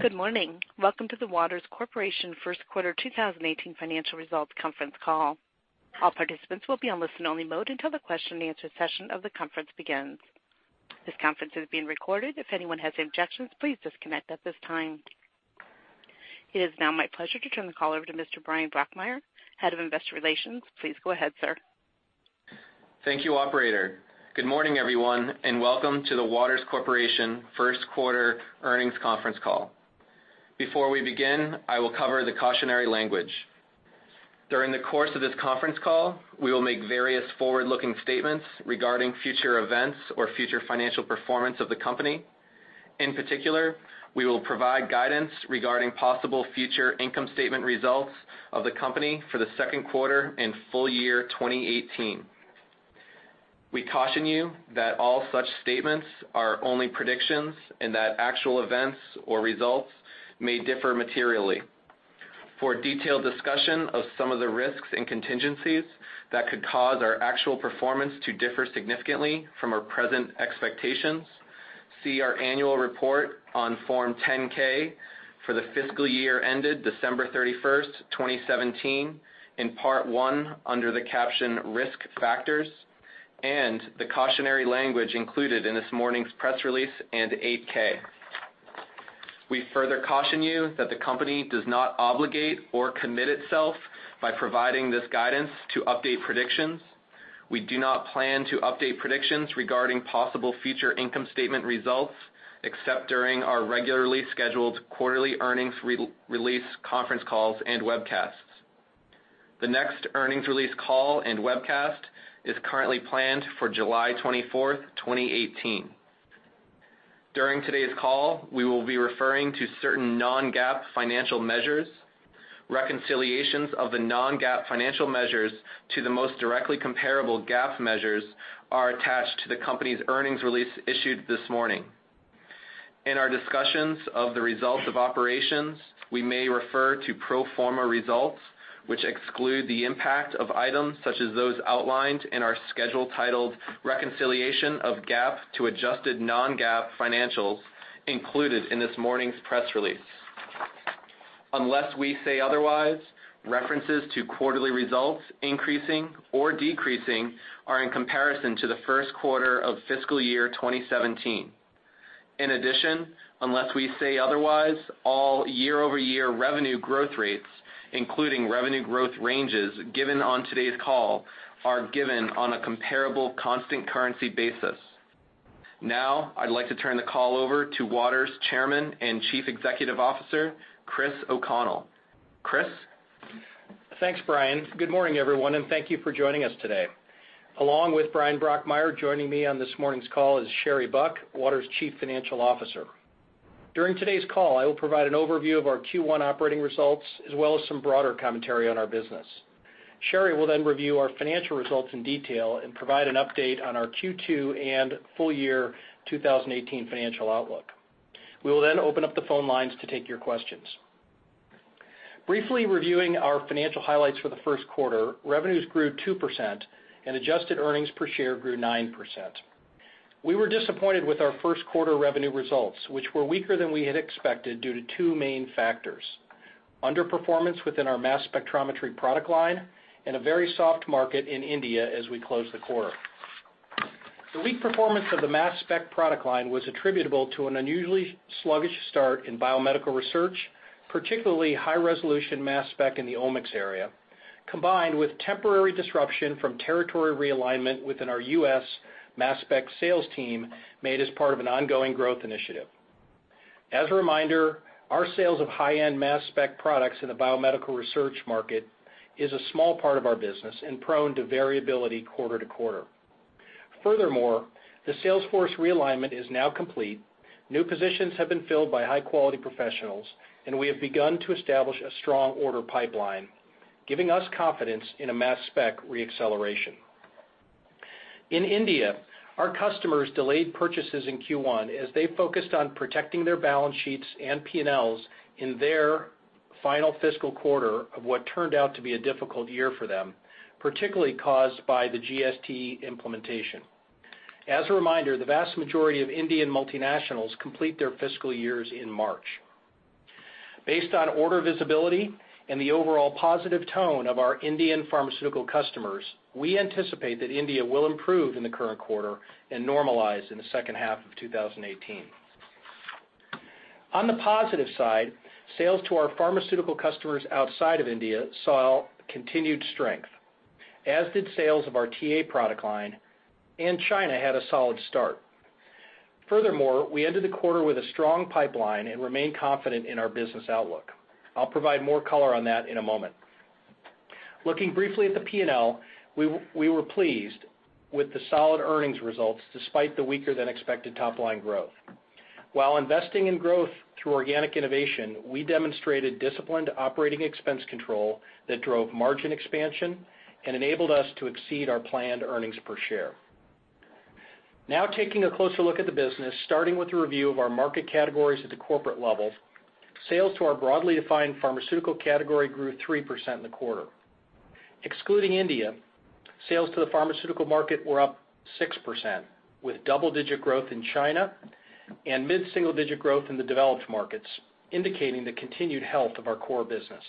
Good morning. Welcome to the Waters Corporation First Quarter 2018 Financial Results Conference Call. All participants will be on listen-only mode until the question-and-answer session of the conference begins. This conference is being recorded. If anyone has any objections, please disconnect at this time. It is now my pleasure to turn the call over to Mr. Bryan Brokmeier, Head of Investor Relations. Please go ahead, sir. Thank you, Operator. Good morning, everyone, and welcome to the Waters Corporation First Quarter Earnings Conference Call. Before we begin, I will cover the cautionary language. During the course of this conference call, we will make various forward-looking statements regarding future events or future financial performance of the company. In particular, we will provide guidance regarding possible future income statement results of the company for the second quarter and full year 2018. We caution you that all such statements are only predictions and that actual events or results may differ materially. For detailed discussion of some of the risks and contingencies that could cause our actual performance to differ significantly from our present expectations, see our annual report on Form 10-K for the fiscal year ended December 31st, 2017, in Part 1 under the caption Risk Factors, and the cautionary language included in this morning's press release and Form 8-K. We further caution you that the company does not obligate or commit itself by providing this guidance to update predictions. We do not plan to update predictions regarding possible future income statement results except during our regularly scheduled quarterly earnings release conference calls and webcasts. The next earnings release call and webcast is currently planned for July 24th, 2018. During today's call, we will be referring to certain non-GAAP financial measures. Reconciliations of the non-GAAP financial measures to the most directly comparable GAAP measures are attached to the company's earnings release issued this morning. In our discussions of the results of operations, we may refer to pro forma results, which exclude the impact of items such as those outlined in our schedule titled Reconciliation of GAAP to Adjusted Non-GAAP Financials included in this morning's press release. Unless we say otherwise, references to quarterly results increasing or decreasing are in comparison to the first quarter of fiscal year 2017. In addition, unless we say otherwise, all year-over-year revenue growth rates, including revenue growth ranges given on today's call, are given on a comparable constant currency basis. Now, I'd like to turn the call over to Waters Chairman and Chief Executive Officer, Chris O'Connell. Chris. Thanks, Bryan. Good morning, everyone, and thank you for joining us today. Along with Bryan Brokmeier, joining me on this morning's call is Sherry Buck, Waters Chief Financial Officer. During today's call, I will provide an overview of our Q1 operating results as well as some broader commentary on our business. Sherry will then review our financial results in detail and provide an update on our Q2 and full year 2018 financial outlook. We will then open up the phone lines to take your questions. Briefly reviewing our financial highlights for the first quarter, revenues grew 2% and adjusted earnings per share grew 9%. We were disappointed with our first quarter revenue results, which were weaker than we had expected due to two main factors: underperformance within our mass spectrometry product line and a very soft market in India as we closed the quarter. The weak performance of the mass spec product line was attributable to an unusually sluggish start in biomedical research, particularly high-resolution mass spec in the omics area, combined with temporary disruption from territory realignment within our U.S. mass spec sales team made as part of an ongoing growth initiative. As a reminder, our sales of high-end mass spec products in the biomedical research market is a small part of our business and prone to variability quarter to quarter. Furthermore, the sales force realignment is now complete, new positions have been filled by high-quality professionals, and we have begun to establish a strong order pipeline, giving us confidence in a mass spec reacceleration. In India, our customers delayed purchases in Q1 as they focused on protecting their balance sheets and P&Ls in their final fiscal quarter of what turned out to be a difficult year for them, particularly caused by the GST implementation. As a reminder, the vast majority of Indian multinationals complete their fiscal years in March. Based on order visibility and the overall positive tone of our Indian pharmaceutical customers, we anticipate that India will improve in the current quarter and normalize in the second half of 2018. On the positive side, sales to our pharmaceutical customers outside of India saw continued strength, as did sales of our TA product line, and China had a solid start. Furthermore, we ended the quarter with a strong pipeline and remain confident in our business outlook. I'll provide more color on that in a moment. Looking briefly at the P&L, we were pleased with the solid earnings results despite the weaker-than-expected top-line growth. While investing in growth through organic innovation, we demonstrated disciplined operating expense control that drove margin expansion and enabled us to exceed our planned earnings per share. Now, taking a closer look at the business, starting with a review of our market categories at the corporate level, sales to our broadly defined pharmaceutical category grew 3% in the quarter. Excluding India, sales to the pharmaceutical market were up 6%, with double-digit growth in China and mid-single-digit growth in the developed markets, indicating the continued health of our core business.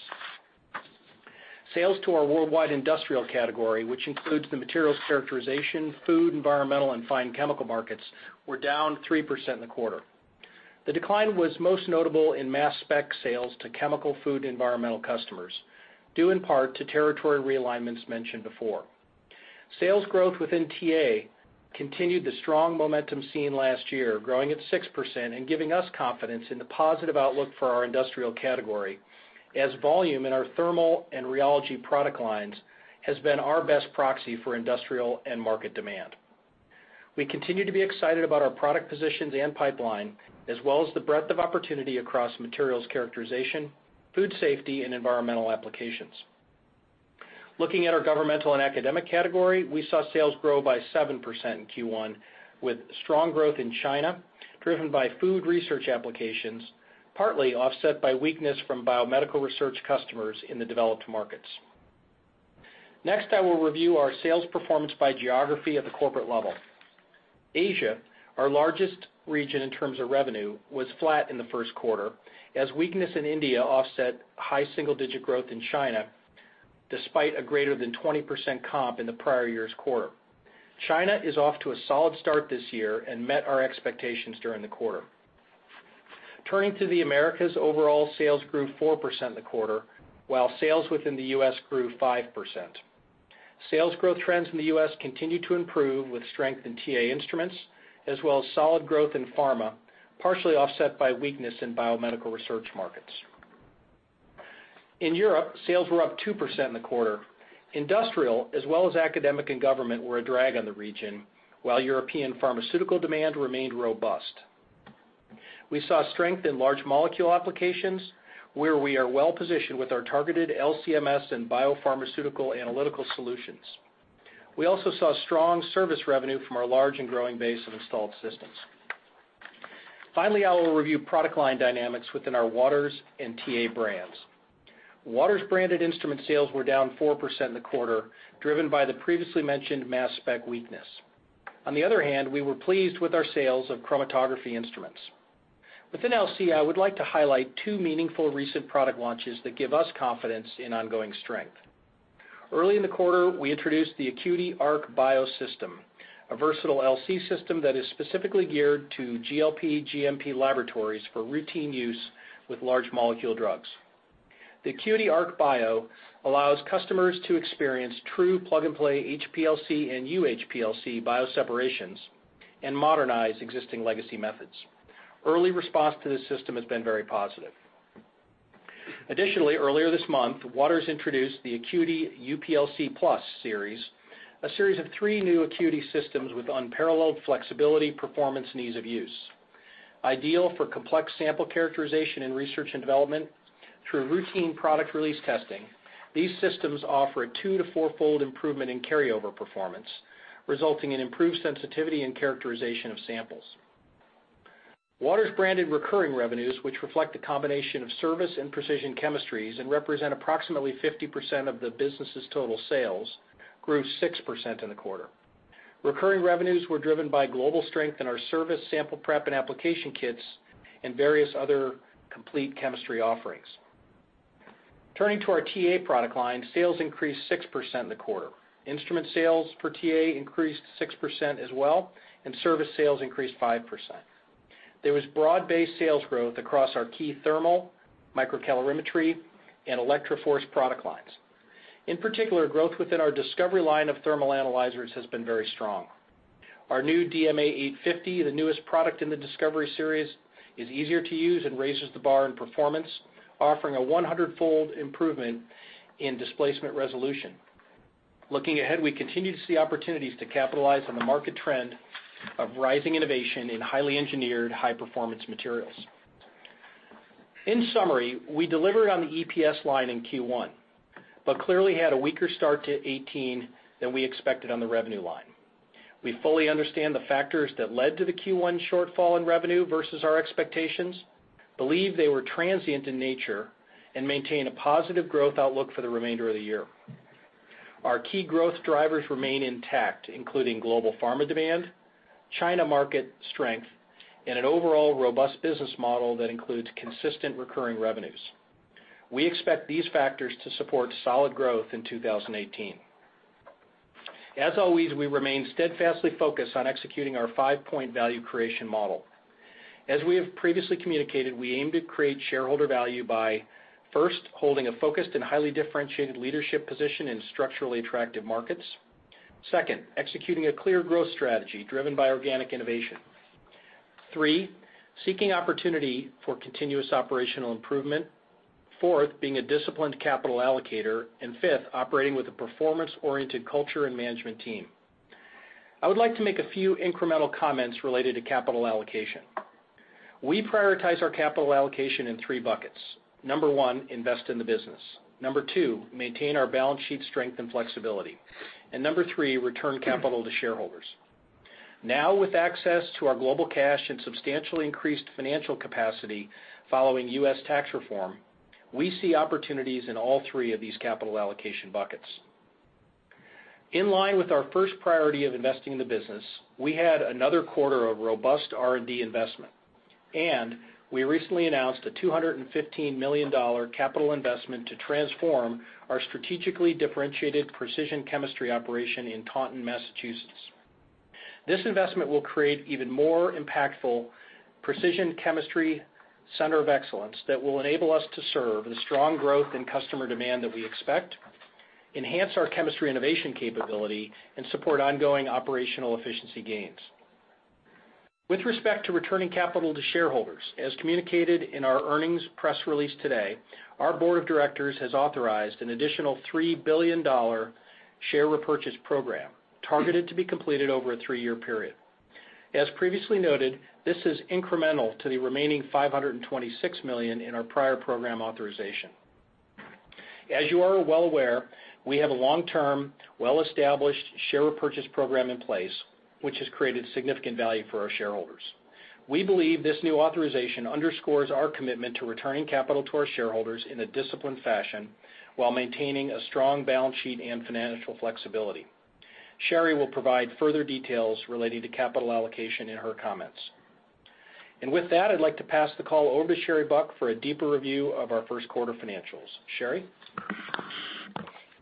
Sales to our worldwide industrial category, which includes the materials characterization, food, environmental, and fine chemical markets, were down 3% in the quarter. The decline was most notable in mass spec sales to chemical, food, and environmental customers, due in part to territory realignments mentioned before. Sales growth within TA continued the strong momentum seen last year, growing at 6% and giving us confidence in the positive outlook for our industrial category, as volume in our thermal and rheology product lines has been our best proxy for industrial and market demand. We continue to be excited about our product positions and pipeline, as well as the breadth of opportunity across materials characterization, food safety, and environmental applications. Looking at our governmental and academic category, we saw sales grow by 7% in Q1, with strong growth in China driven by food research applications, partly offset by weakness from biomedical research customers in the developed markets. Next, I will review our sales performance by geography at the corporate level. Asia, our largest region in terms of revenue, was flat in the first quarter, as weakness in India offset high single-digit growth in China despite a greater than 20% comp in the prior year's quarter. China is off to a solid start this year and met our expectations during the quarter. Turning to the Americas, overall sales grew 4% in the quarter, while sales within the U.S. grew 5%. Sales growth trends in the U.S. continue to improve with strength in TA Instruments, as well as solid growth in pharma, partially offset by weakness in biomedical research markets. In Europe, sales were up 2% in the quarter. Industrial, as well as academic and government, were a drag on the region, while European pharmaceutical demand remained robust. We saw strength in large molecule applications, where we are well-positioned with our targeted LCMS and biopharmaceutical analytical solutions. We also saw strong service revenue from our large and growing base of installed systems. Finally, I will review product line dynamics within our Waters and TA brands. Waters branded instrument sales were down 4% in the quarter, driven by the previously mentioned mass spec weakness. On the other hand, we were pleased with our sales of chromatography instruments. Within LC, I would like to highlight two meaningful recent product launches that give us confidence in ongoing strength. Early in the quarter, we introduced the ACQUITY Arc Bio System, a versatile LC system that is specifically geared to GLP/GMP laboratories for routine use with large molecule drugs. The ACQUITY Arc Bio allows customers to experience true plug-and-play HPLC and UHPLC bioseparations and modernize existing legacy methods. Early response to this system has been very positive. Additionally, earlier this month, Waters introduced the ACQUITY UPLC Plus Series, a series of three new ACQUITY systems with unparalleled flexibility, performance, and ease of use. Ideal for complex sample characterization in research and development through routine product release testing, these systems offer a two to four-fold improvement in carryover performance, resulting in improved sensitivity and characterization of samples. Waters branded recurring revenues, which reflect a combination of service and precision chemistries and represent approximately 50% of the business's total sales, grew 6% in the quarter. Recurring revenues were driven by global strength in our service sample prep and application kits and various other complete chemistry offerings. Turning to our TA product line, sales increased 6% in the quarter. Instrument sales for TA increased 6% as well, and service sales increased 5%. There was broad-based sales growth across our key thermal, microcalorimetry, and ElectroForce product lines. In particular, growth within our Discovery line of thermal analyzers has been very strong. Our new DMA 850, the newest product in the Discovery Series, is easier to use and raises the bar in performance, offering a 100-fold improvement in displacement resolution. Looking ahead, we continue to see opportunities to capitalize on the market trend of rising innovation in highly engineered, high-performance materials. In summary, we delivered on the EPS line in Q1, but clearly had a weaker start to 2018 than we expected on the revenue line. We fully understand the factors that led to the Q1 shortfall in revenue versus our expectations, believe they were transient in nature, and maintain a positive growth outlook for the remainder of the year. Our key growth drivers remain intact, including global pharma demand, China market strength, and an overall robust business model that includes consistent recurring revenues. We expect these factors to support solid growth in 2018. As always, we remain steadfastly focused on executing our five-point value creation model. As we have previously communicated, we aim to create shareholder value by, first, holding a focused and highly differentiated leadership position in structurally attractive markets, second, executing a clear growth strategy driven by organic innovation, three, seeking opportunity for continuous operational improvement, fourth, being a disciplined capital allocator, and fifth, operating with a performance-oriented culture and management team. I would like to make a few incremental comments related to capital allocation. We prioritize our capital allocation in three buckets. Number one, invest in the business. Number two, maintain our balance sheet strength and flexibility, and number three, return capital to shareholders. Now, with access to our global cash and substantially increased financial capacity following U.S. tax reform, we see opportunities in all three of these capital allocation buckets. In line with our first priority of investing in the business, we had another quarter of robust R&D investment, and we recently announced a $215 million capital investment to transform our strategically differentiated precision chemistry operation in Taunton, Massachusetts. This investment will create even more impactful precision chemistry center of excellence that will enable us to serve the strong growth in customer demand that we expect, enhance our chemistry innovation capability, and support ongoing operational efficiency gains. With respect to returning capital to shareholders, as communicated in our earnings press release today, our board of directors has authorized an additional $3 billion share repurchase program targeted to be completed over a three-year period. As previously noted, this is incremental to the remaining $526 million in our prior program authorization. As you are well aware, we have a long-term, well-established share repurchase program in place, which has created significant value for our shareholders. We believe this new authorization underscores our commitment to returning capital to our shareholders in a disciplined fashion while maintaining a strong balance sheet and financial flexibility. Sherry will provide further details related to capital allocation in her comments. And with that, I'd like to pass the call over to Sherry Buck for a deeper review of our first quarter financials. Sherry?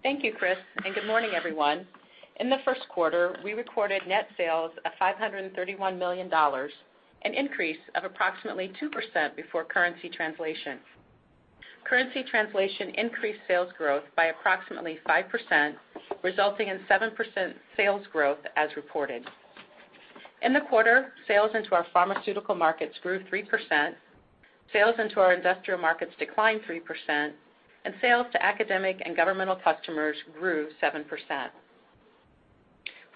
Thank you, Chris, and good morning, everyone. In the first quarter, we recorded net sales of $531 million, an increase of approximately 2% before currency translation. Currency translation increased sales growth by approximately 5%, resulting in 7% sales growth as reported. In the quarter, sales into our pharmaceutical markets grew 3%, sales into our industrial markets declined 3%, and sales to academic and governmental customers grew 7%.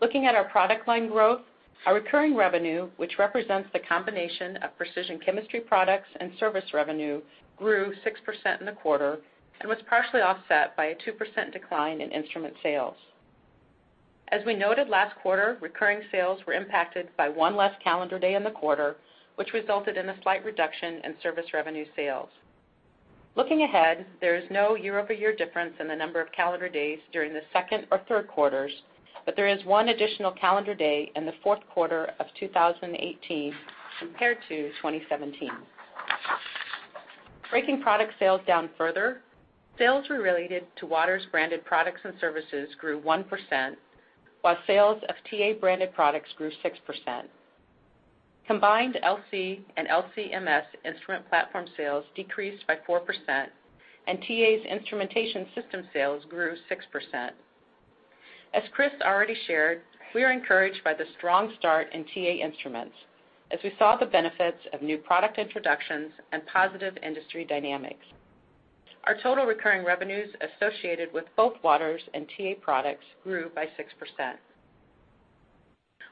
Looking at our product line growth, our recurring revenue, which represents the combination of precision chemistry products and service revenue, grew 6% in the quarter and was partially offset by a 2% decline in instrument sales. As we noted last quarter, recurring sales were impacted by one less calendar day in the quarter, which resulted in a slight reduction in service revenue sales. Looking ahead, there is no year-over-year difference in the number of calendar days during the second or third quarters, but there is one additional calendar day in the fourth quarter of 2018 compared to 2017. Breaking product sales down further, sales related to Waters branded products and services grew 1%, while sales of TA branded products grew 6%. Combined LC and LCMS instrument platform sales decreased by 4%, and TA's instrumentation system sales grew 6%. As Chris already shared, we are encouraged by the strong start in TA instruments, as we saw the benefits of new product introductions and positive industry dynamics. Our total recurring revenues associated with both Waters and TA products grew by 6%.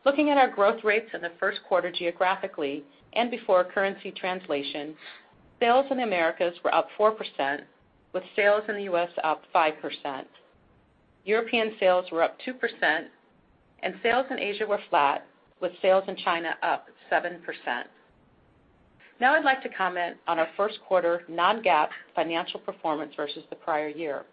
Looking at our growth rates in the first quarter geographically and before currency translation, sales in the Americas were up 4%, with sales in the U.S. up 5%. European sales were up 2%, and sales in Asia were flat, with sales in China up 7%. Now, I'd like to comment on our first quarter non-GAAP financial performance versus the prior year.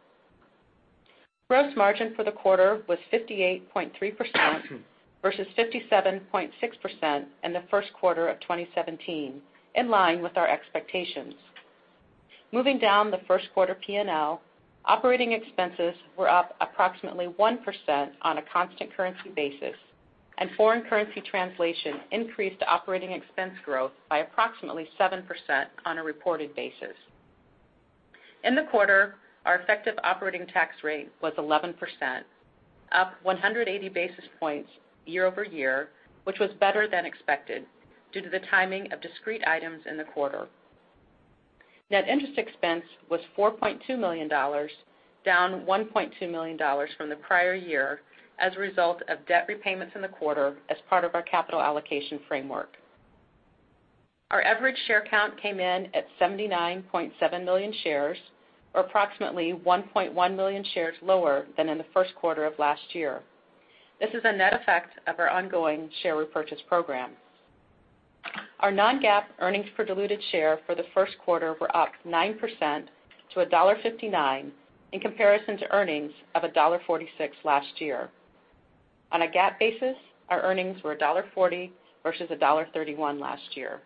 Gross margin for the quarter was 58.3% versus 57.6% in the first quarter of 2017, in line with our expectations. Moving down the first quarter P&L, operating expenses were up approximately 1% on a constant currency basis, and foreign currency translation increased operating expense growth by approximately 7% on a reported basis. In the quarter, our effective operating tax rate was 11%, up 180 basis points year over year, which was better than expected due to the timing of discrete items in the quarter. Net interest expense was $4.2 million, down $1.2 million from the prior year as a result of debt repayments in the quarter as part of our capital allocation framework. Our average share count came in at 79.7 million shares, or approximately 1.1 million shares lower than in the first quarter of last year. This is a net effect of our ongoing share repurchase program. Our non-GAAP earnings per diluted share for the first quarter were up 9% to $1.59 in comparison to earnings of $1.46 last year. On a GAAP basis, our earnings were $1.40 versus $1.31 last year.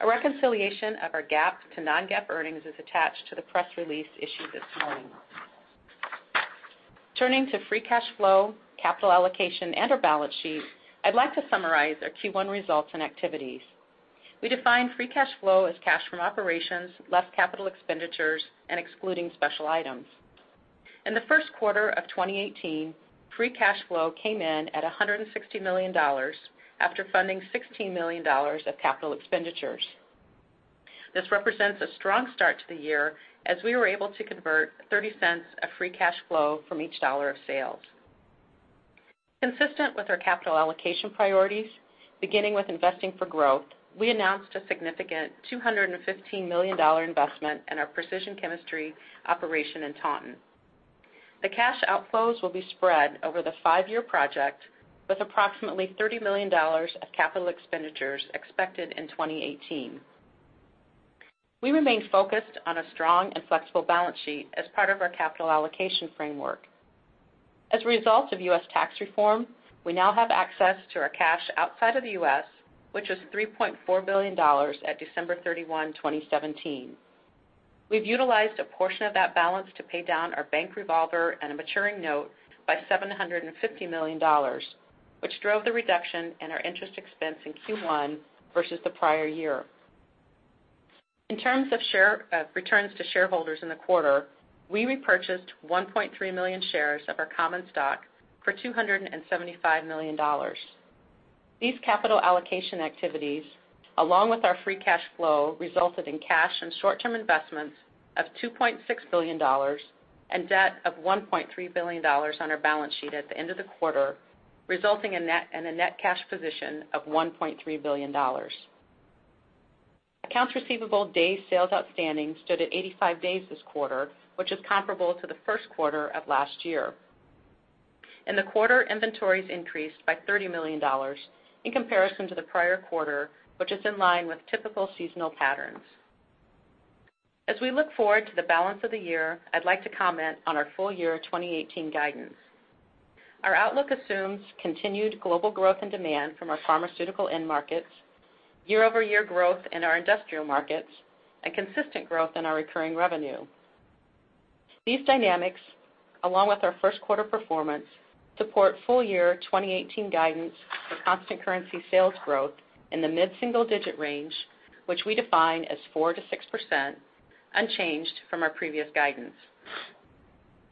A reconciliation of our GAAP to non-GAAP earnings is attached to the press release issued this morning. Turning to free cash flow, capital allocation, and our balance sheet, I'd like to summarize our Q1 results and activities. We defined free cash flow as cash from operations less capital expenditures and excluding special items. In the first quarter of 2018, free cash flow came in at $160 million after funding $16 million of capital expenditures. This represents a strong start to the year as we were able to convert $0.30 of free cash flow from each dollar of sales. Consistent with our capital allocation priorities, beginning with investing for growth, we announced a significant $215 million investment in our precision chemistry operation in Taunton. The cash outflows will be spread over the five-year project, with approximately $30 million of capital expenditures expected in 2018. We remain focused on a strong and flexible balance sheet as part of our capital allocation framework. As a result of U.S. tax reform, we now have access to our cash outside of the U.S., which was $3.4 billion at December 31, 2017. We've utilized a portion of that balance to pay down our bank revolver and a maturing note by $750 million, which drove the reduction in our interest expense in Q1 versus the prior year. In terms of returns to shareholders in the quarter, we repurchased 1.3 million shares of our common stock for $275 million. These capital allocation activities, along with our free cash flow, resulted in cash and short-term investments of $2.6 billion and debt of $1.3 billion on our balance sheet at the end of the quarter, resulting in a net cash position of $1.3 billion. Accounts receivable day sales outstanding stood at 85 days this quarter, which is comparable to the first quarter of last year. In the quarter, inventories increased by $30 million in comparison to the prior quarter, which is in line with typical seasonal patterns. As we look forward to the balance of the year, I'd like to comment on our full year 2018 guidance. Our outlook assumes continued global growth and demand from our pharmaceutical end markets, year-over-year growth in our industrial markets, and consistent growth in our recurring revenue. These dynamics, along with our first quarter performance, support full year 2018 guidance for constant currency sales growth in the mid-single-digit range, which we define as 4%-6%, unchanged from our previous guidance.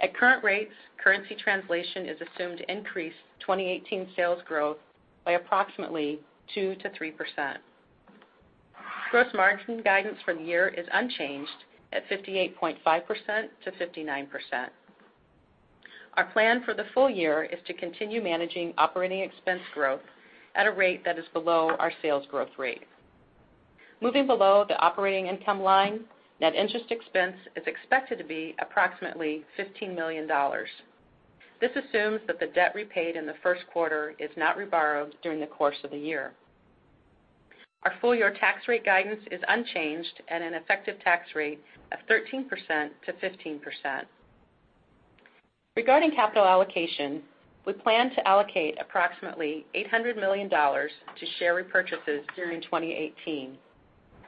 At current rates, currency translation is assumed to increase 2018 sales growth by approximately 2%-3%. Gross margin guidance for the year is unchanged at 58.5%-59%. Our plan for the full year is to continue managing operating expense growth at a rate that is below our sales growth rate. Moving below the operating income line, net interest expense is expected to be approximately $15 million. This assumes that the debt repaid in the first quarter is not reborrowed during the course of the year. Our full year tax rate guidance is unchanged at an effective tax rate of 13%-15%. Regarding capital allocation, we plan to allocate approximately $800 million to share repurchases during 2018,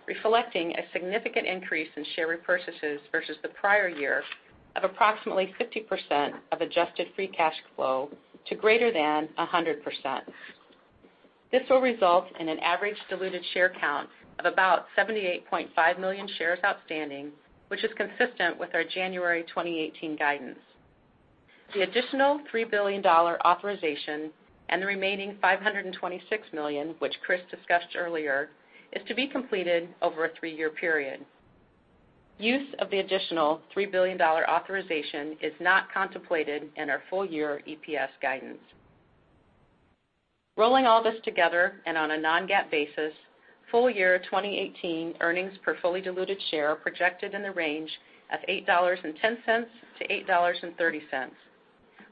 reflecting a significant increase in share repurchases versus the prior year of approximately 50% of adjusted free cash flow to greater than 100%. This will result in an average diluted share count of about 78.5 million shares outstanding, which is consistent with our January 2018 guidance. The additional $3 billion authorization and the remaining $526 million, which Chris discussed earlier, is to be completed over a three-year period. Use of the additional $3 billion authorization is not contemplated in our full year EPS guidance. Rolling all this together and on a Non-GAAP basis, full year 2018 earnings per fully diluted share are projected in the range of $8.10-$8.30,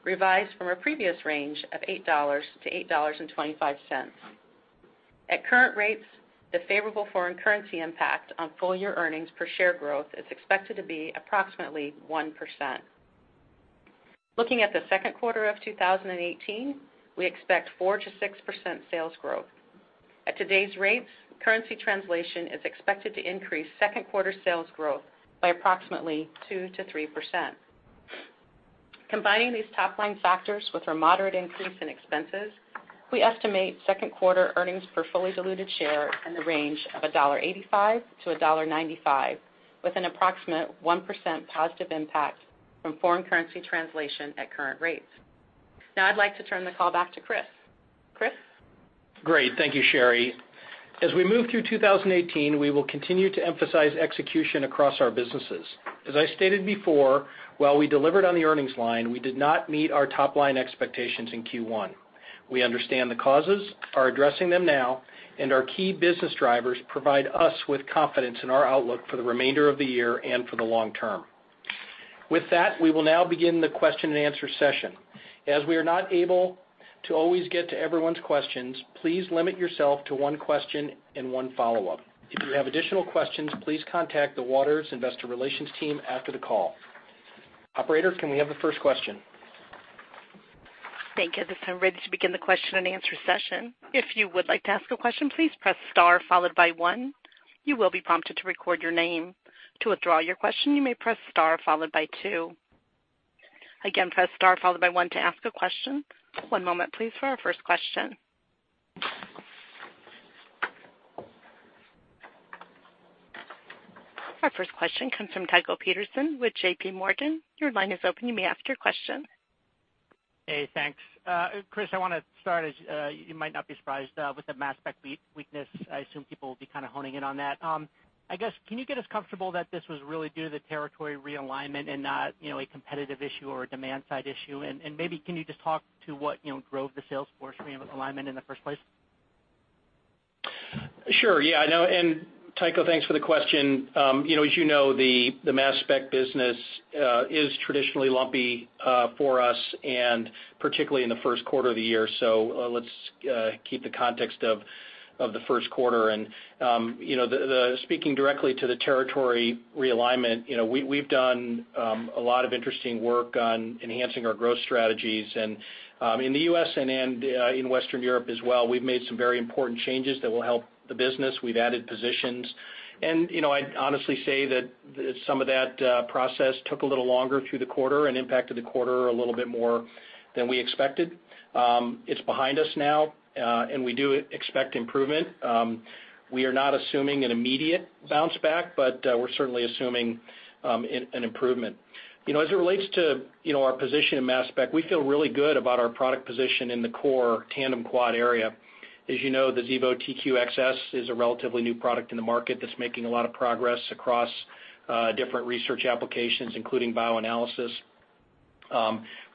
revised from a previous range of $8-$8.25. At current rates, the favorable foreign currency impact on full year earnings per share growth is expected to be approximately 1%. Looking at the second quarter of 2018, we expect 4%-6% sales growth. At today's rates, currency translation is expected to increase second quarter sales growth by approximately 2%-3%. Combining these top-line factors with our moderate increase in expenses, we estimate second quarter earnings per fully diluted share in the range of $1.85-$1.95, with an approximate 1% positive impact from foreign currency translation at current rates. Now, I'd like to turn the call back to Chris. Chris? Great. Thank you, Sherry. As we move through 2018, we will continue to emphasize execution across our businesses. As I stated before, while we delivered on the earnings line, we did not meet our top-line expectations in Q1. We understand the causes, are addressing them now, and our key business drivers provide us with confidence in our outlook for the remainder of the year and for the long term. With that, we will now begin the question and answer session. As we are not able to always get to everyone's questions, please limit yourself to one question and one follow-up. If you have additional questions, please contact the Waters Investor Relations team after the call. Operator, can we have the first question? Thank you. [inaudible] Ready to begin the question and answer session. If you would like to ask a question, please press star followed by one. You will be prompted to record your name. To withdraw your question, you may press star followed by two. Again, press star followed by one to ask a question. One moment, please, for our first question. Our first question comes from Tycho Peterson with JPMorgan. Your line is open. You may ask your question. Hey, thanks. Chris, I want to start as you might not be surprised with the mass spec weakness. I assume people will be kind of honing in on that. I guess, can you get us comfortable that this was really due to the territory realignment and not a competitive issue or a demand-side issue? And maybe, can you just talk to what drove the sales force realignment in the first place? Sure. Yeah. And Tycho, thanks for the question. As you know, the mass spec business is traditionally lumpy for us, and particularly in the first quarter of the year. So let's keep the context of the first quarter. And speaking directly to the territory realignment, we've done a lot of interesting work on enhancing our growth strategies. In the U.S. and in Western Europe as well, we've made some very important changes that will help the business. We've added positions. I'd honestly say that some of that process took a little longer through the quarter and impacted the quarter a little bit more than we expected. It's behind us now, and we do expect improvement. We are not assuming an immediate bounce back, but we're certainly assuming an improvement. As it relates to our position in mass spec, we feel really good about our product position in the core tandem quad area. As you know, the Xevo TQ-XS is a relatively new product in the market that's making a lot of progress across different research applications, including bioanalysis.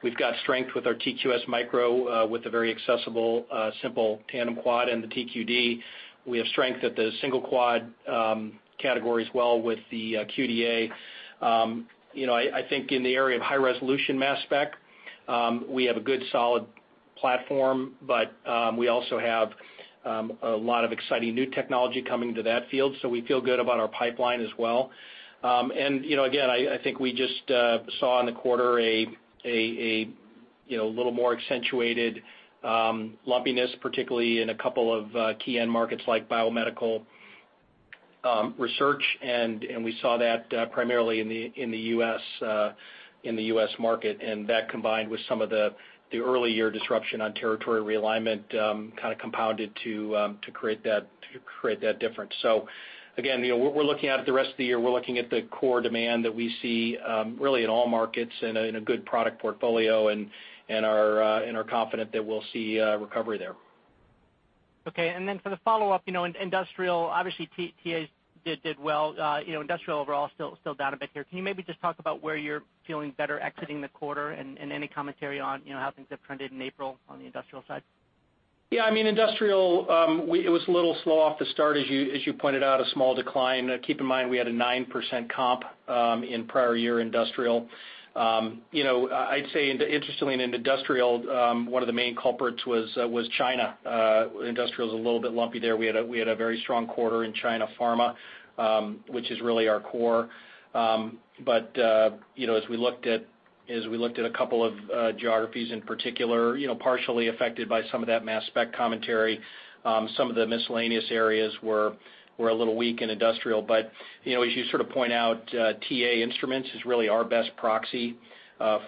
We've got strength with our Xevo TQ-S micro with a very accessible, simple tandem quad and the TQD. We have strength at the single quad category as well with the QDa. I think in the area of high-resolution mass spec, we have a good solid platform, but we also have a lot of exciting new technology coming to that field. So we feel good about our pipeline as well. And again, I think we just saw in the quarter a little more accentuated lumpiness, particularly in a couple of key end markets like biomedical research. And we saw that primarily in the U.S. market. And that combined with some of the early year disruption on territory realignment kind of compounded to create that difference. So again, we're looking at it the rest of the year. We're looking at the core demand that we see really in all markets and in a good product portfolio. And we're confident that we'll see recovery there. Okay. Then for the follow-up, industrial, obviously, TA did well. Industrial overall still down a bit here. Can you maybe just talk about where you're feeling better exiting the quarter and any commentary on how things have trended in April on the industrial side? Yeah. I mean, industrial, it was a little slow off the start, as you pointed out, a small decline. Keep in mind we had a 9% comp in prior year industrial. I'd say, interestingly, in industrial, one of the main culprits was China. Industrial is a little bit lumpy there. We had a very strong quarter in China pharma, which is really our core. But as we looked at a couple of geographies in particular, partially affected by some of that mass spec commentary, some of the miscellaneous areas were a little weak in industrial. But as you sort of point out, TA Instruments is really our best proxy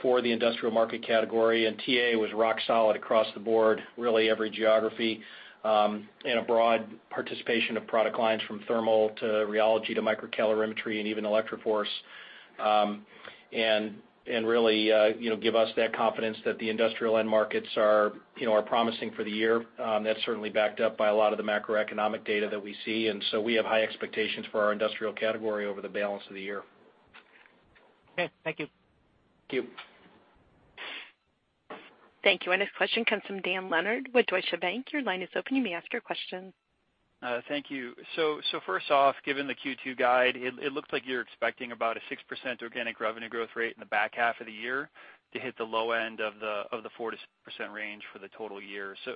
for the industrial market category. And TA was rock solid across the board, really every geography and a broad participation of product lines from thermal to rheology to microcalorimetry and even ElectroForce. And really give us that confidence that the industrial end markets are promising for the year. That's certainly backed up by a lot of the macroeconomic data that we see. And so we have high expectations for our industrial category over the balance of the year. Okay. Thank you. Thank you. Thank you. And this question comes from Dan Leonard with Deutsche Bank. Your line is open. You may ask your question. Thank you. So first off, given the Q2 guide, it looks like you're expecting about a 6% organic revenue growth rate in the back half of the year to hit the low end of the 4%-6% range for the total year. So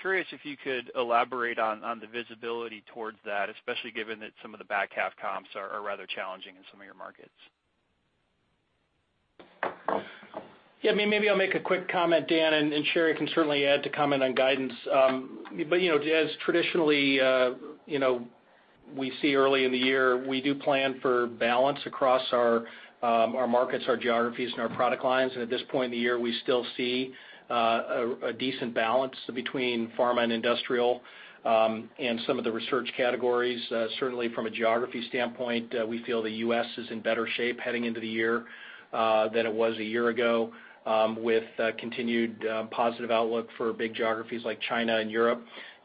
curious if you could elaborate on the visibility towards that, especially given that some of the back half comps are rather challenging in some of your markets. Yeah. Maybe I'll make a quick comment, Dan, and Sherry can certainly add to comment on guidance. But as traditionally we see early in the year, we do plan for balance across our markets, our geographies, and our product lines. And at this point in the year, we still see a decent balance between pharma and industrial and some of the research categories. Certainly, from a geography standpoint, we feel the U.S. is in better shape heading into the year than it was a year ago with continued positive outlook for big geographies like China and Europe.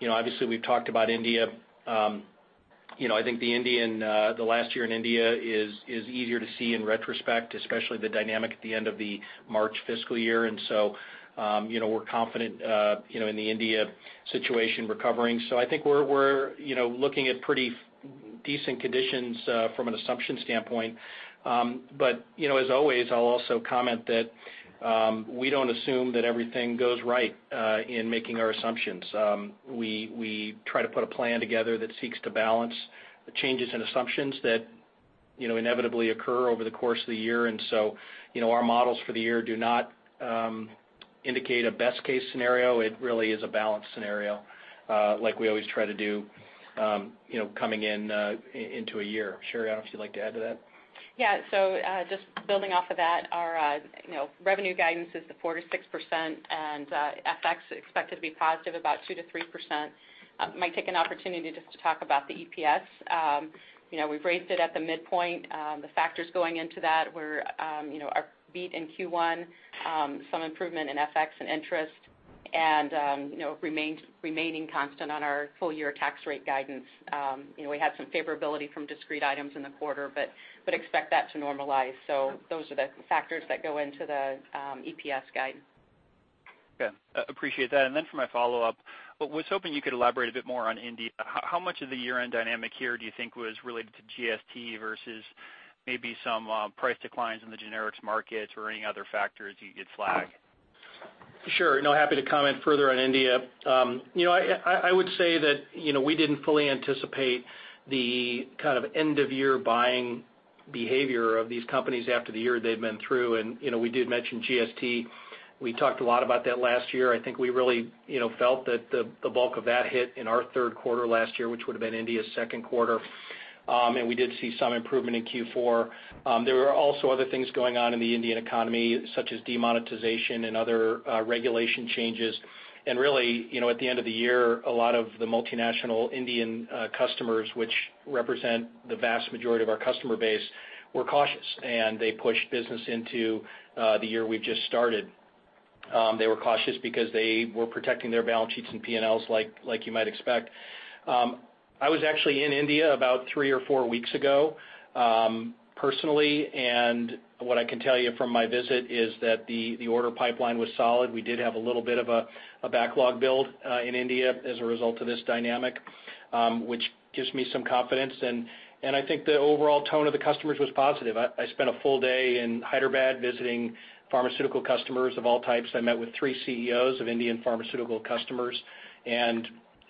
Obviously, we've talked about India. I think the last year in India is easier to see in retrospect, especially the dynamic at the end of the March fiscal year. And so we're confident in the India situation recovering. So I think we're looking at pretty decent conditions from an assumption standpoint. But as always, I'll also comment that we don't assume that everything goes right in making our assumptions. We try to put a plan together that seeks to balance the changes in assumptions that inevitably occur over the course of the year. And so our models for the year do not indicate a best-case scenario. It really is a balanced scenario like we always try to do coming into a year. Sherry, I don't know if you'd like to add to that. Yeah. So just building off of that, our revenue guidance is the 4%-6%, and FX is expected to be positive about 2%-3%. I might take an opportunity just to talk about the EPS. We've raised it at the midpoint. The factors going into that were our beat in Q1, some improvement in FX and interest, and remaining constant on our full year tax rate guidance. We had some favorability from discrete items in the quarter, but expect that to normalize. So those are the factors that go into the EPS guide. Okay. Appreciate that. And then for my follow-up, I was hoping you could elaborate a bit more on India. How much of the year-end dynamic here do you think was related to GST versus maybe some price declines in the generics markets or any other factors you could flag? Sure. Happy to comment further on India. I would say that we didn't fully anticipate the kind of end-of-year buying behavior of these companies after the year they've been through. And we did mention GST. We talked a lot about that last year. I think we really felt that the bulk of that hit in our third quarter last year, which would have been India's second quarter. And we did see some improvement in Q4. There were also other things going on in the Indian economy, such as demonetization and other regulation changes. And really, at the end of the year, a lot of the multinational Indian customers, which represent the vast majority of our customer base, were cautious. And they pushed business into the year we've just started. They were cautious because they were protecting their balance sheets and P&Ls, like you might expect. I was actually in India about three or four weeks ago, personally. And what I can tell you from my visit is that the order pipeline was solid. We did have a little bit of a backlog build in India as a result of this dynamic, which gives me some confidence. And I think the overall tone of the customers was positive. I spent a full day in Hyderabad visiting pharmaceutical customers of all types. I met with three CEOs of Indian pharmaceutical customers.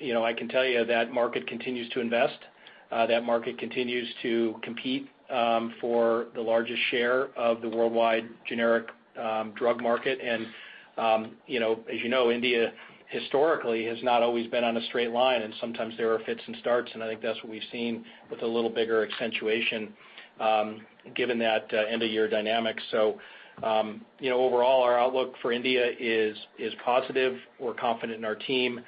And I can tell you that market continues to invest. That market continues to compete for the largest share of the worldwide generic drug market. And as you know, India historically has not always been on a straight line. And sometimes there are fits and starts. And I think that's what we've seen with a little bigger accentuation given that end-of-year dynamic. So overall, our outlook for India is positive. We're confident in our team.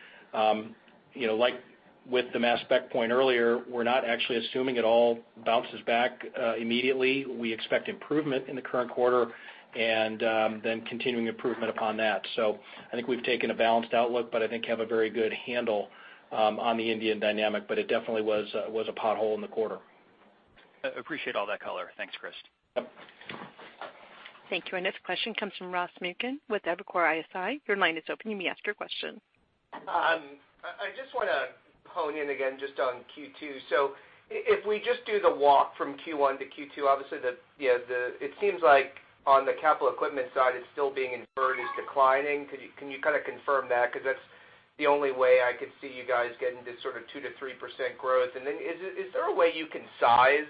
Like with the mass spec point earlier, we're not actually assuming it all bounces back immediately. We expect improvement in the current quarter and then continuing improvement upon that. So I think we've taken a balanced outlook, but I think have a very good handle on the Indian dynamic. But it definitely was a pothole in the quarter. Appreciate all that color. Thanks, Chris. Yep. Thank you. And this question comes from Ross Muken with Evercore ISI. Your line is open. You may ask your question. I just want to hone in again just on Q2. So if we just do the walk from Q1-Q2, obviously, it seems like on the capital equipment side, it's still being inferred as declining. Can you kind of confirm that? Because that's the only way I could see you guys getting this sort of 2%-3% growth. And then is there a way you can size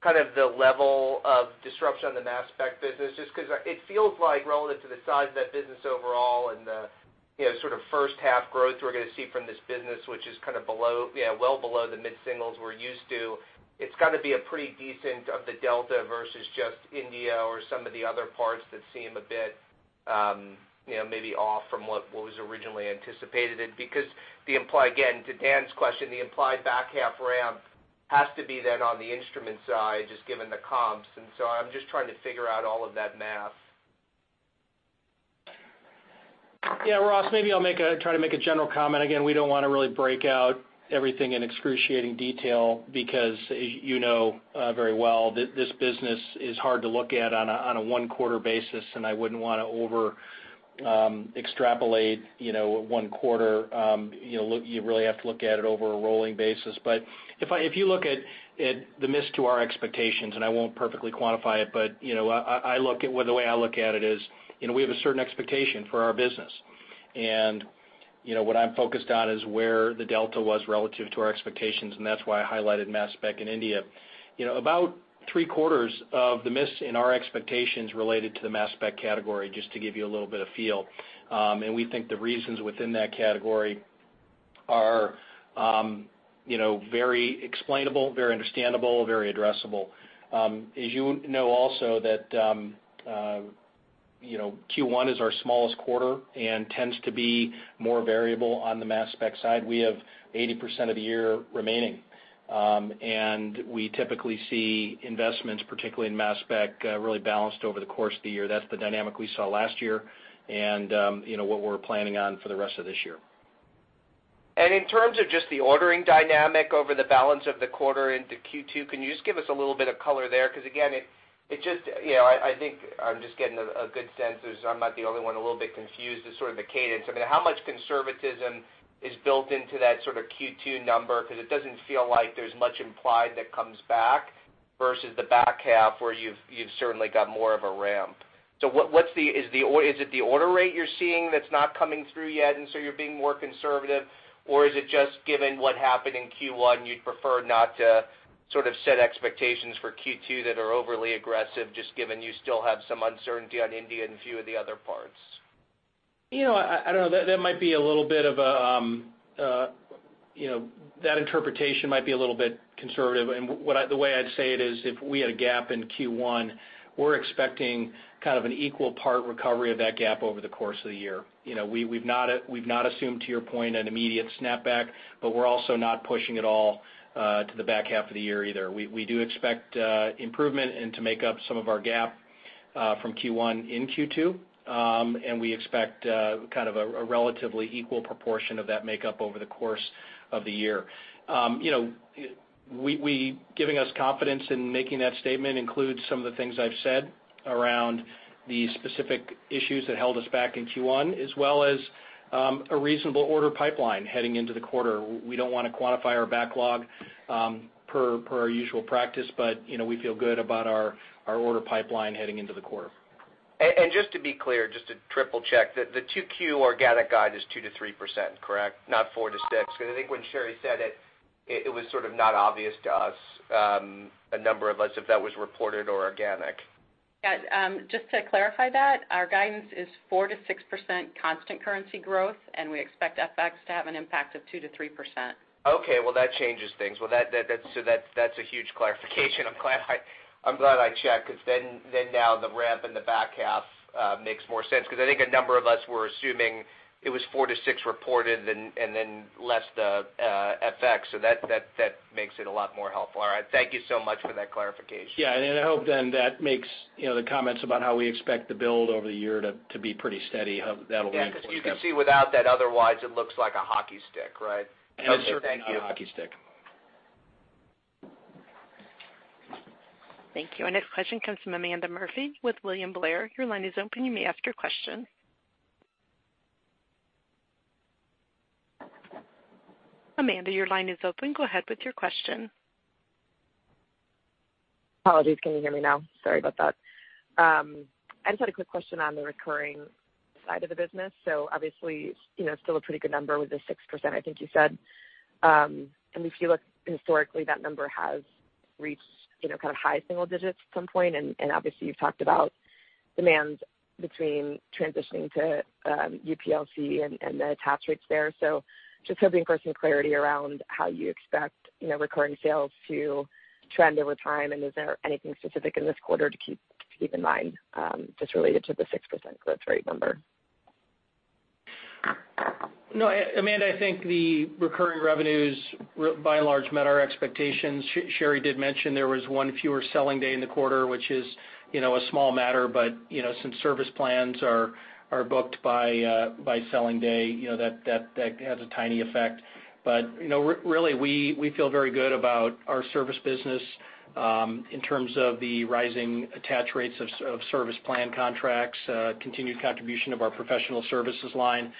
kind of the level of disruption on the mass spec business? Just because it feels like relative to the size of that business overall and the sort of first half growth we're going to see from this business, which is kind of well below the mid-singles we're used to, it's got to be a pretty decent of the delta versus just India or some of the other parts that seem a bit maybe off from what was originally anticipated. Because, again, to Dan's question, the implied back half ramp has to be then on the instrument side just given the comps. And so I'm just trying to figure out all of that math. Yeah. Ross, maybe I'll try to make a general comment. Again, we don't want to really break out everything in excruciating detail because, as you know very well, this business is hard to look at on a one-quarter basis. And I wouldn't want to over-extrapolate one quarter. You really have to look at it over a rolling basis. But if you look at the miss to our expectations, and I won't perfectly quantify it, but the way I look at it is we have a certain expectation for our business. And what I'm focused on is where the delta was relative to our expectations. And that's why I highlighted mass spec in India. About three-quarters of the miss in our expectations related to the mass spec category, just to give you a little bit of feel. And we think the reasons within that category are very explainable, very understandable, very addressable. As you know also that Q1 is our smallest quarter and tends to be more variable on the mass spec side. We have 80% of the year remaining. And we typically see investments, particularly in mass spec, really balanced over the course of the year. That's the dynamic we saw last year and what we're planning on for the rest of this year. And in terms of just the ordering dynamic over the balance of the quarter into Q2, can you just give us a little bit of color there? Because again, I think I'm just getting a good sense. I'm not the only one a little bit confused as sort of the cadence. I mean, how much conservatism is built into that sort of Q2 number? Because it doesn't feel like there's much implied that comes back versus the back half where you've certainly got more of a ramp. So is it the order rate you're seeing that's not coming through yet and so you're being more conservative? Or is it just given what happened in Q1, you'd prefer not to sort of set expectations for Q2 that are overly aggressive just given you still have some uncertainty on India and a few of the other parts? I don't know. That might be a little bit of a, that interpretation might be a little bit conservative. The way I'd say it is if we had a gap in Q1, we're expecting kind of an equal part recovery of that gap over the course of the year. We've not assumed, to your point, an immediate snapback, but we're also not pushing at all to the back half of the year either. We do expect improvement and to make up some of our gap from Q1 in Q2. We expect kind of a relatively equal proportion of that makeup over the course of the year. Giving us confidence in making that statement includes some of the things I've said around the specific issues that held us back in Q1, as well as a reasonable order pipeline heading into the quarter. We don't want to quantify our backlog per our usual practice, but we feel good about our order pipeline heading into the quarter. And just to be clear, just to triple-check, the 2Q organic guide is 2%-3%, correct? Not 4%-6%? Because I think when Sherry said it, it was sort of not obvious to us, a number of us, if that was reported or organic. Yeah. Just to clarify that, our guidance is 4%-6% constant currency growth, and we expect FX to have an impact of 2%-3%. Okay. Well, that changes things. Well, so that's a huge clarification. I'm glad I checked because then now the ramp in the back half makes more sense. Because I think a number of us were assuming it was 4%-6% reported and then less the FX. So that makes it a lot more helpful. All right. Thank you so much for that clarification. Yeah. And I hope then that makes the comments about how we expect the build over the year to be pretty steady. That'll make sense. Yeah. Because you can see without that, otherwise, it looks like a hockey stick, right? That's certainly a hockey stick. Thank you. And this question comes from Amanda Murphy with William Blair. Your line is open. You may ask your question. Amanda, your line is open. Go ahead with your question. Apologies. Can you hear me now? Sorry about that. I just had a quick question on the recurring side of the business. So obviously, still a pretty good number with the 6%, I think you said. And if you look historically, that number has reached kind of high single digits at some point. And obviously, you've talked about demands between transitioning to UPLC and the tax rates there. So just hoping for some clarity around how you expect recurring sales to trend over time. And is there anything specific in this quarter to keep in mind just related to the 6% growth rate number? No. Amanda, I think the recurring revenues, by and large, met our expectations. Sherry did mention there was one fewer selling day in the quarter, which is a small matter. But since service plans are booked by selling day, that has a tiny effect. But really, we feel very good about our service business in terms of the rising attach rates of service plan contracts, continued contribution of our professional services line.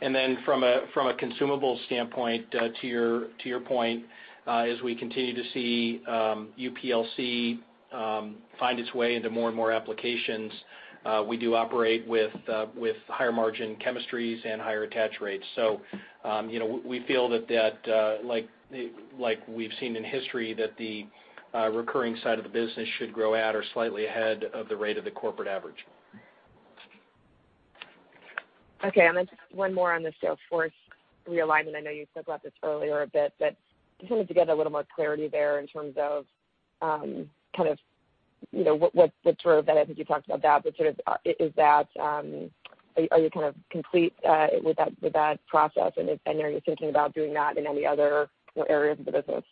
And then from a consumable standpoint, to your point, as we continue to see UPLC find its way into more and more applications, we do operate with higher margin chemistries and higher attach rates. So we feel that, like we've seen in history, that the recurring side of the business should grow at or slightly ahead of the rate of the corporate average. Okay. And then one more on the sales force realignment. I know you spoke about this earlier a bit, but just wanted to get a little more clarity there in terms of kind of what drove that. I think you talked about that. But sort of is that are you kind of complete with that process? And are you thinking about doing that in any other areas of the business?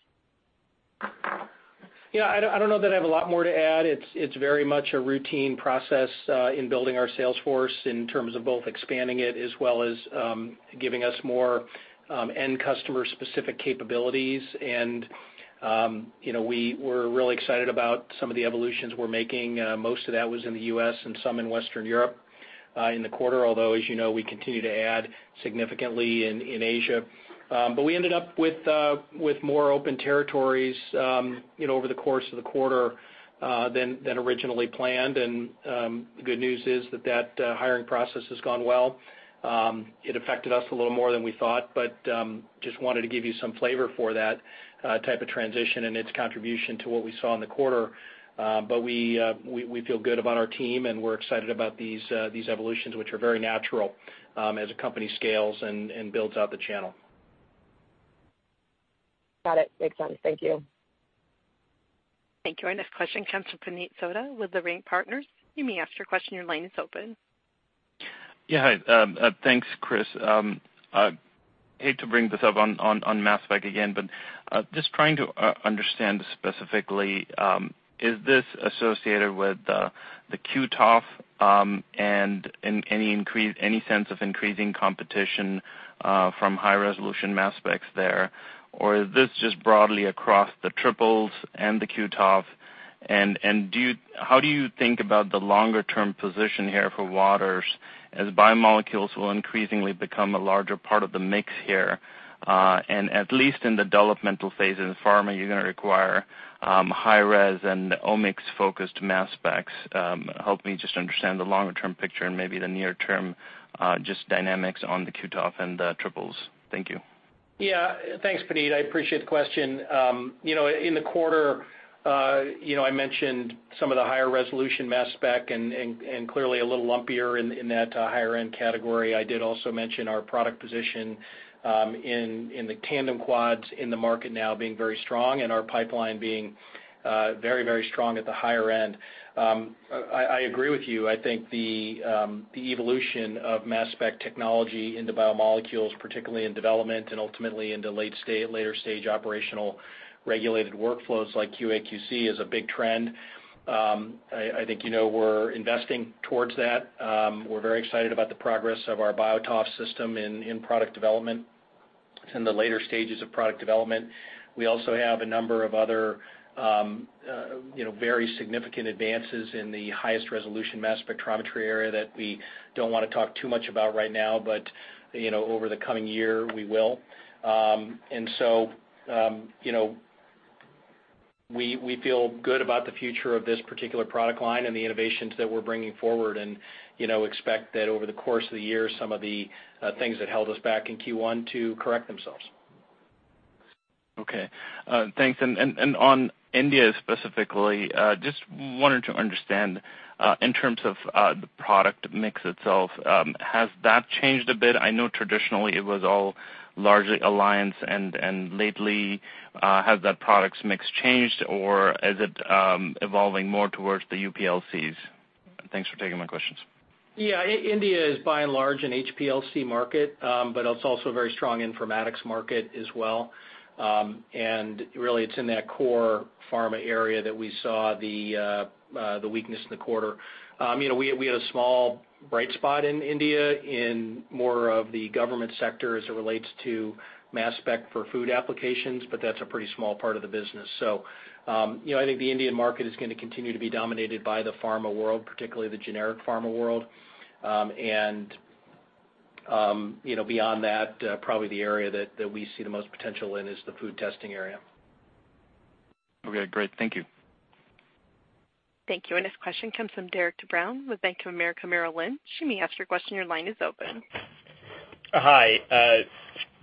Yeah. I don't know that I have a lot more to add. It's very much a routine process in building our sales force in terms of both expanding it as well as giving us more end customer-specific capabilities. And we're really excited about some of the evolutions we're making. Most of that was in the U.S. and some in Western Europe in the quarter. Although, as you know, we continue to add significantly in Asia. But we ended up with more open territories over the course of the quarter than originally planned. And the good news is that that hiring process has gone well. It affected us a little more than we thought, but just wanted to give you some flavor for that type of transition and its contribution to what we saw in the quarter. But we feel good about our team, and we're excited about these evolutions, which are very natural as a company scales and builds out the channel. Got it. Makes sense. Thank you. Thank you. And this question comes from Puneet Souda with Leerink Partners. You may ask your question. Your line is open. Yeah. Thanks, Chris. I hate to bring this up on mass spec again, but just trying to understand specifically, is this associated with the QTOF and any sense of increasing competition from high-resolution mass specs there? Or is this just broadly across the triples and the QTOF? And how do you think about the longer-term position here for Waters as biomolecules will increasingly become a larger part of the mix here? And at least in the developmental phase in pharma, you're going to require high-res and omics-focused mass specs. Help me just understand the longer-term picture and maybe the near-term just dynamics on the QTOF and the triples. Thank you. Yeah. Thanks, Puneet. I appreciate the question. In the quarter, I mentioned some of the higher-resolution mass spec and clearly a little lumpier in that higher-end category. I did also mention our product position in the tandem quads in the market now being very strong and our pipeline being very, very strong at the higher end. I agree with you. I think the evolution of mass spec technology into biomolecules, particularly in development and ultimately into later-stage operational regulated workflows like QA/QC is a big trend. I think we're investing towards that. We're very excited about the progress of our BioTOF system in product development. It's in the later stages of product development. We also have a number of other very significant advances in the highest-resolution mass spectrometry area that we don't want to talk too much about right now, but over the coming year, we will. And so we feel good about the future of this particular product line and the innovations that we're bringing forward and expect that over the course of the year, some of the things that held us back in Q1 to correct themselves. Okay. Thanks. And on India specifically, just wanted to understand in terms of the product mix itself, has that changed a bit? I know traditionally it was all largely Alliance, and lately, has that product mix changed, or is it evolving more towards the UPLCs? Thanks for taking my questions. Yeah. India is by and large an HPLC market, but it's also a very strong informatics market as well. And really, it's in that core pharma area that we saw the weakness in the quarter. We had a small bright spot in India in more of the government sector as it relates to mass spec for food applications, but that's a pretty small part of the business. So I think the Indian market is going to continue to be dominated by the pharma world, particularly the generic pharma world. And beyond that, probably the area that we see the most potential in is the food testing area. Okay. Great. Thank you. Thank you. And this question comes from Derik De Bruin with Bank of America Merrill Lynch. You may ask your question. Your line is open. Hi.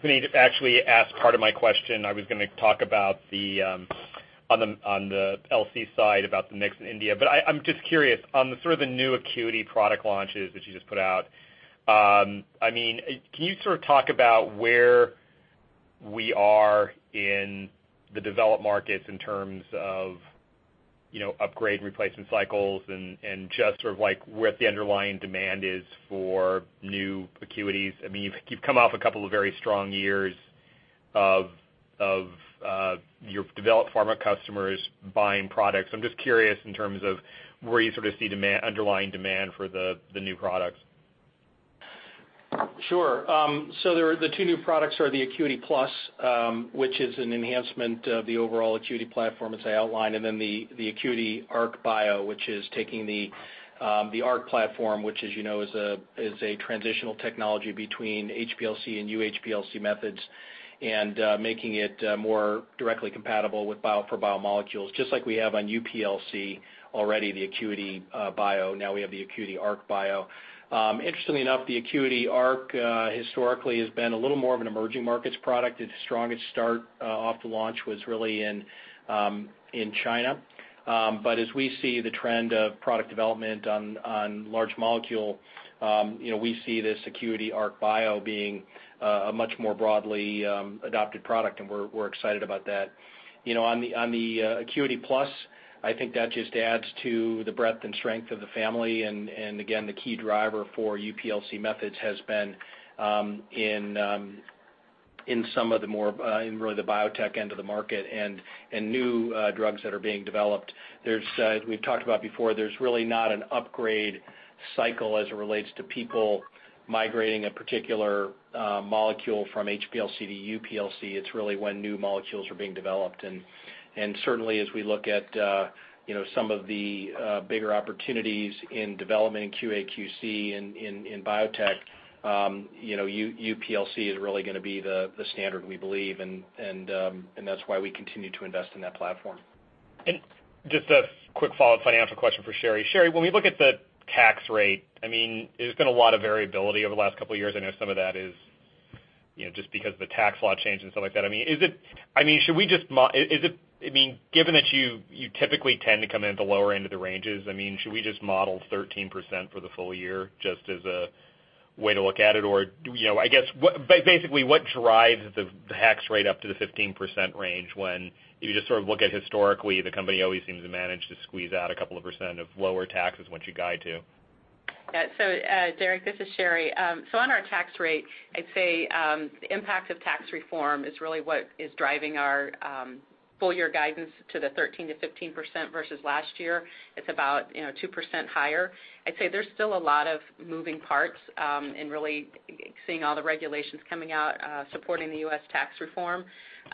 Puneet actually asked part of my question. I was going to talk about the on the LC side about the mix in India. But I'm just curious on sort of the new ACQUITY product launches that you just put out. I mean, can you sort of talk about where we are in the developed markets in terms of upgrade and replacement cycles and just sort of where the underlying demand is for new ACQUITYs? I mean, you've come off a couple of very strong years of your developed pharma customers buying products. I'm just curious in terms of where you sort of see underlying demand for the new products. Sure. So the two new products are the ACQUITY Plus, which is an enhancement of the overall ACQUITY platform as I outlined, and then the ACQUITY Arc Bio, which is taking the Arc platform, which, as you know, is a transitional technology between HPLC and UHPLC methods and making it more directly compatible with bio for biomolecules, just like we have on UPLC already, the ACQUITY Bio. Now we have the ACQUITY Arc Bio. Interestingly enough, the ACQUITY Arc historically has been a little more of an emerging markets product. Its strongest start off the launch was really in China. But as we see the trend of product development on large molecule, we see this ACQUITY Arc Bio being a much more broadly adopted product, and we're excited about that. On the ACQUITY Plus, I think that just adds to the breadth and strength of the family. And again, the key driver for UPLC methods has been in some of the more in really the biotech end of the market and new drugs that are being developed. We've talked about before, there's really not an upgrade cycle as it relates to people migrating a particular molecule from HPLC to UPLC. It's really when new molecules are being developed. Certainly, as we look at some of the bigger opportunities in development in QA/QC in biotech, UPLC is really going to be the standard, we believe. That's why we continue to invest in that platform. Just a quick follow-up financial question for Sherry. Sherry, when we look at the tax rate, I mean, there's been a lot of variability over the last couple of years. I know some of that is just because of the tax law change and stuff like that. I mean, should we just—I mean, given that you typically tend to come in at the lower end of the ranges, I mean, should we just model 13% for the full year just as a way to look at it? Or I guess, basically, what drives the tax rate up to the 15% range when if you just sort of look at historically, the company always seems to manage to squeeze out a couple of percent of lower taxes once you guide to? Yeah. So Derik, this is Sherry. So on our tax rate, I'd say the impact of tax reform is really what is driving our full-year guidance to the 13%-15% versus last year. It's about 2% higher. I'd say there's still a lot of moving parts in really seeing all the regulations coming out supporting the U.S. tax reform.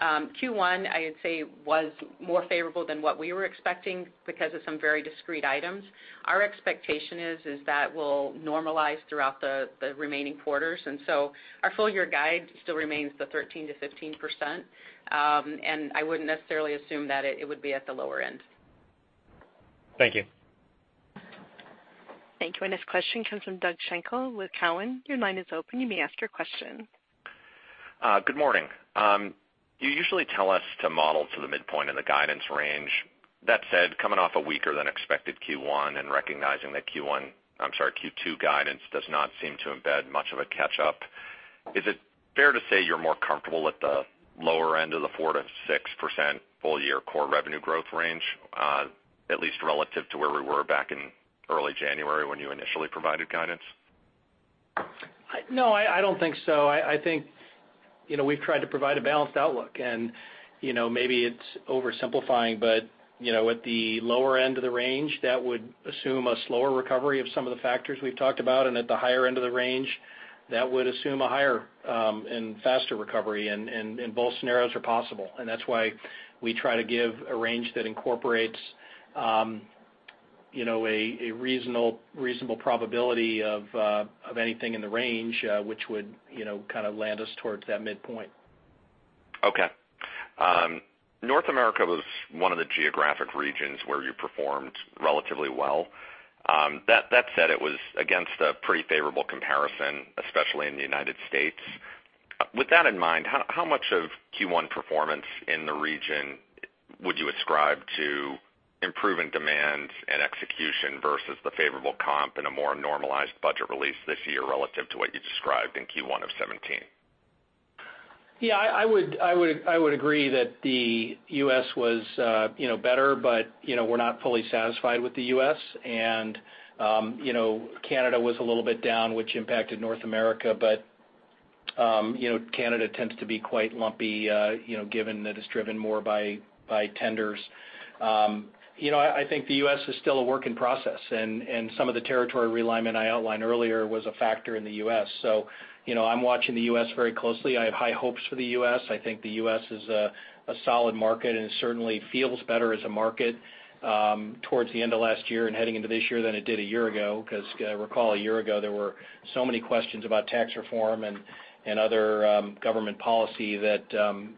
Q1, I would say, was more favorable than what we were expecting because of some very discrete items. Our expectation is that will normalize throughout the remaining quarters. And so our full-year guide still remains the 13%-15%. I wouldn't necessarily assume that it would be at the lower end. Thank you. Thank you. This question comes from Doug Schenkel with Cowen. Your line is open. You may ask your question. Good morning. You usually tell us to model to the midpoint in the guidance range. That said, coming off a weaker-than-expected Q1 and recognizing that Q1, I'm sorry, Q2 guidance does not seem to embed much of a catch-up, is it fair to say you're more comfortable at the lower end of the 4%-6% full-year core revenue growth range, at least relative to where we were back in early January when you initially provided guidance? No, I don't think so. I think we've tried to provide a balanced outlook. And maybe it's oversimplifying, but at the lower end of the range, that would assume a slower recovery of some of the factors we've talked about. And at the higher end of the range, that would assume a higher and faster recovery. And both scenarios are possible. And that's why we try to give a range that incorporates a reasonable probability of anything in the range, which would kind of land us towards that midpoint. Okay. North America was one of the geographic regions where you performed relatively well. That said, it was against a pretty favorable comparison, especially in the United States. With that in mind, how much of Q1 performance in the region would you ascribe to improving demand and execution versus the favorable comp in a more normalized budget release this year relative to what you described in Q1 of 2017? Yeah. I would agree that the U.S. was better, but we're not fully satisfied with the U.S. and Canada was a little bit down, which impacted North America. But Canada tends to be quite lumpy given that it's driven more by tenders. I think the U.S. is still a work in process. And some of the territory realignment I outlined earlier was a factor in the U.S. So I'm watching the U.S. very closely. I have high hopes for the U.S. I think the U.S. is a solid market and certainly feels better as a market towards the end of last year and heading into this year than it did a year ago because I recall a year ago, there were so many questions about tax reform and other government policy that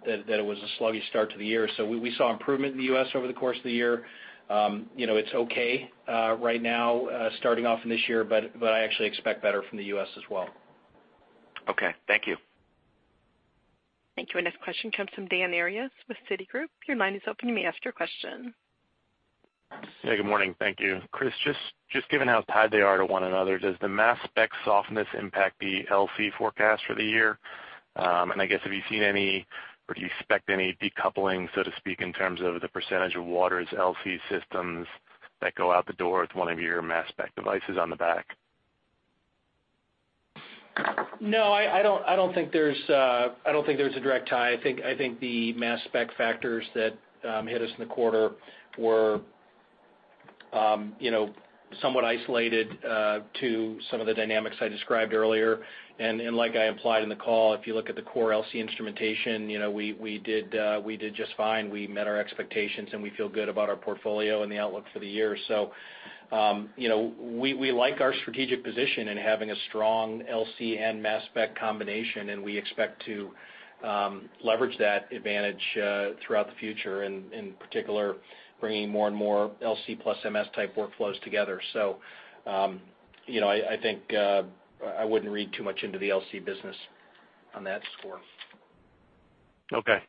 it was a sluggish start to the year. So we saw improvement in the U.S. over the course of the year. It's okay right now starting off in this year, but I actually expect better from the U.S. as well. Okay. Thank you. Thank you. And this question comes from Dan Arias with Citigroup. Your line is open. You may ask your question. Yeah. Good morning. Thank you. Chris, just given how tied they are to one another, does the mass spec softness impact the LC forecast for the year? And I guess, have you seen any or do you expect any decoupling, so to speak, in terms of the percentage of Waters LC systems that go out the door with one of your mass spec devices on the back? No, I don't think there's a direct tie. I think the mass spec factors that hit us in the quarter were somewhat isolated to some of the dynamics I described earlier. And like I implied in the call, if you look at the core LC instrumentation, we did just fine. We met our expectations, and we feel good about our portfolio and the outlook for the year. So we like our strategic position in having a strong LC and mass spec combination, and we expect to leverage that advantage throughout the future, in particular, bringing more and more LC plus MS type workflows together. So I think I wouldn't read too much into the LC business on that score. Okay.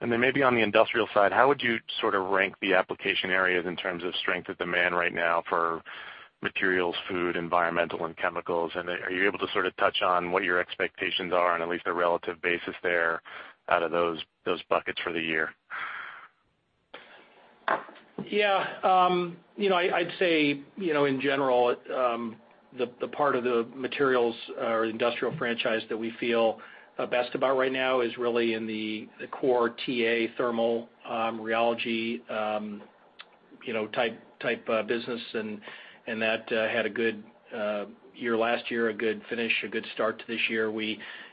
And then maybe on the industrial side, how would you sort of rank the application areas in terms of strength of demand right now for materials, food, environmental, and chemicals? Are you able to sort of touch on what your expectations are on at least a relative basis there out of those buckets for the year? Yeah. I'd say, in general, the part of the materials or industrial franchise that we feel best about right now is really in the core TA thermal rheology type business, and that had a good year last year, a good finish, a good start to this year.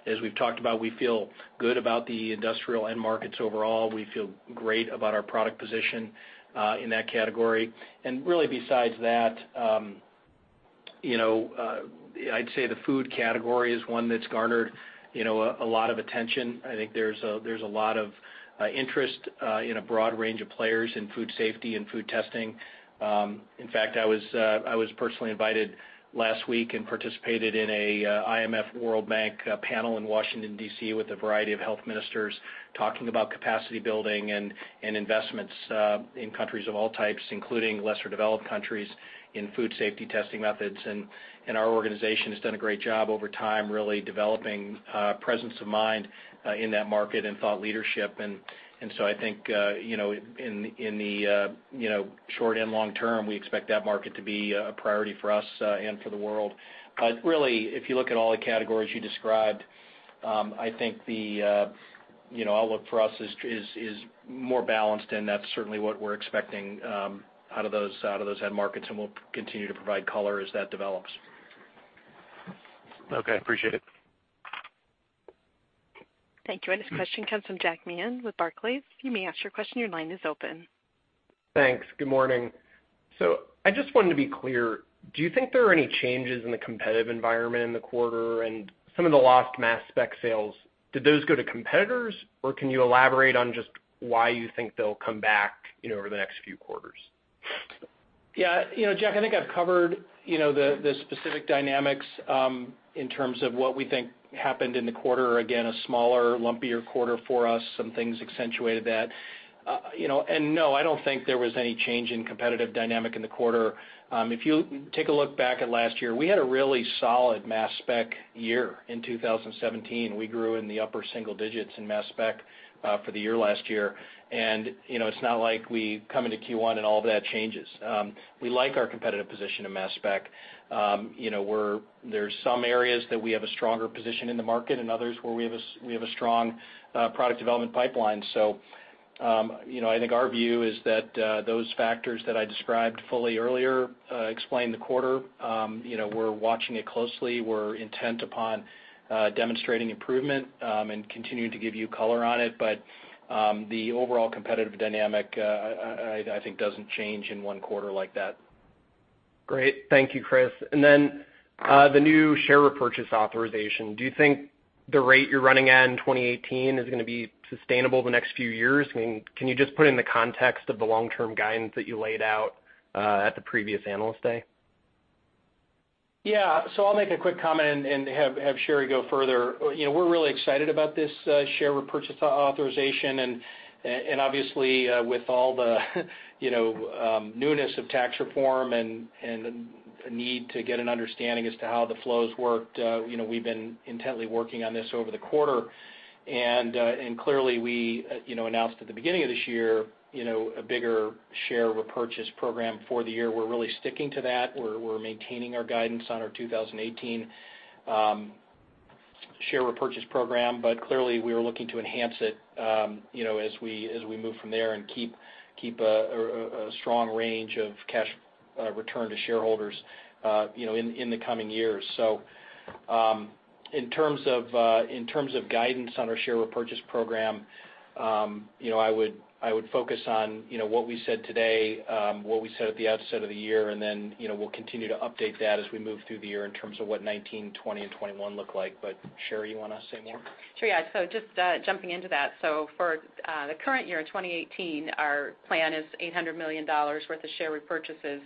As we've talked about, we feel good about the industrial end markets overall. We feel great about our product position in that category. And really, besides that, I'd say the food category is one that's garnered a lot of attention. I think there's a lot of interest in a broad range of players in food safety and food testing. In fact, I was personally invited last week and participated in an IMF World Bank panel in Washington, D.C., with a variety of health ministers talking about capacity building and investments in countries of all types, including lesser developed countries, in food safety testing methods. And our organization has done a great job over time, really developing presence of mind in that market and thought leadership. And so I think in the short and long term, we expect that market to be a priority for us and for the world. But really, if you look at all the categories you described, I think the outlook for us is more balanced, and that's certainly what we're expecting out of those end markets. And we'll continue to provide color as that develops. Okay. Appreciate it. Thank you. And this question comes from Jack Meehan with Barclays. You may ask your question. Your line is open. Thanks. Good morning. So I just wanted to be clear. Do you think there are any changes in the competitive environment in the quarter? And some of the lost mass spec sales, did those go to competitors? Or can you elaborate on just why you think they'll come back over the next few quarters? Yeah. Jack, I think I've covered the specific dynamics in terms of what we think happened in the quarter. Again, a smaller, lumpier quarter for us. Some things accentuated that. And no, I don't think there was any change in competitive dynamic in the quarter. If you take a look back at last year, we had a really solid mass spec year in 2017. We grew in the upper single digits in mass spec for the year last year. And it's not like we come into Q1 and all of that changes. We like our competitive position in mass spec. There's some areas that we have a stronger position in the market and others where we have a strong product development pipeline. So I think our view is that those factors that I described fully earlier explain the quarter. We're watching it closely. We're intent upon demonstrating improvement and continuing to give you color on it. But the overall competitive dynamic, I think, doesn't change in one quarter like that. Great. Thank you, Chris. And then the new share repurchase authorization, do you think the rate you're running in 2018 is going to be sustainable the next few years? Can you just put it in the context of the long-term guidance that you laid out at the previous analyst day? Yeah. So I'll make a quick comment and have Sherry go further. We're really excited about this share repurchase authorization. Obviously, with all the newness of tax reform and a need to get an understanding as to how the flows worked, we've been intently working on this over the quarter. Clearly, we announced at the beginning of this year a bigger share repurchase program for the year. We're really sticking to that. We're maintaining our guidance on our 2018 share repurchase program. Clearly, we are looking to enhance it as we move from there and keep a strong range of cash return to shareholders in the coming years. In terms of guidance on our share repurchase program, I would focus on what we said today, what we said at the outset of the year. Then we'll continue to update that as we move through the year in terms of what 2019, 2020, and 2021 look like. Sherry, you want to say more? Sure. Yeah. So just jumping into that. So for the current year in 2018, our plan is $800 million worth of share repurchases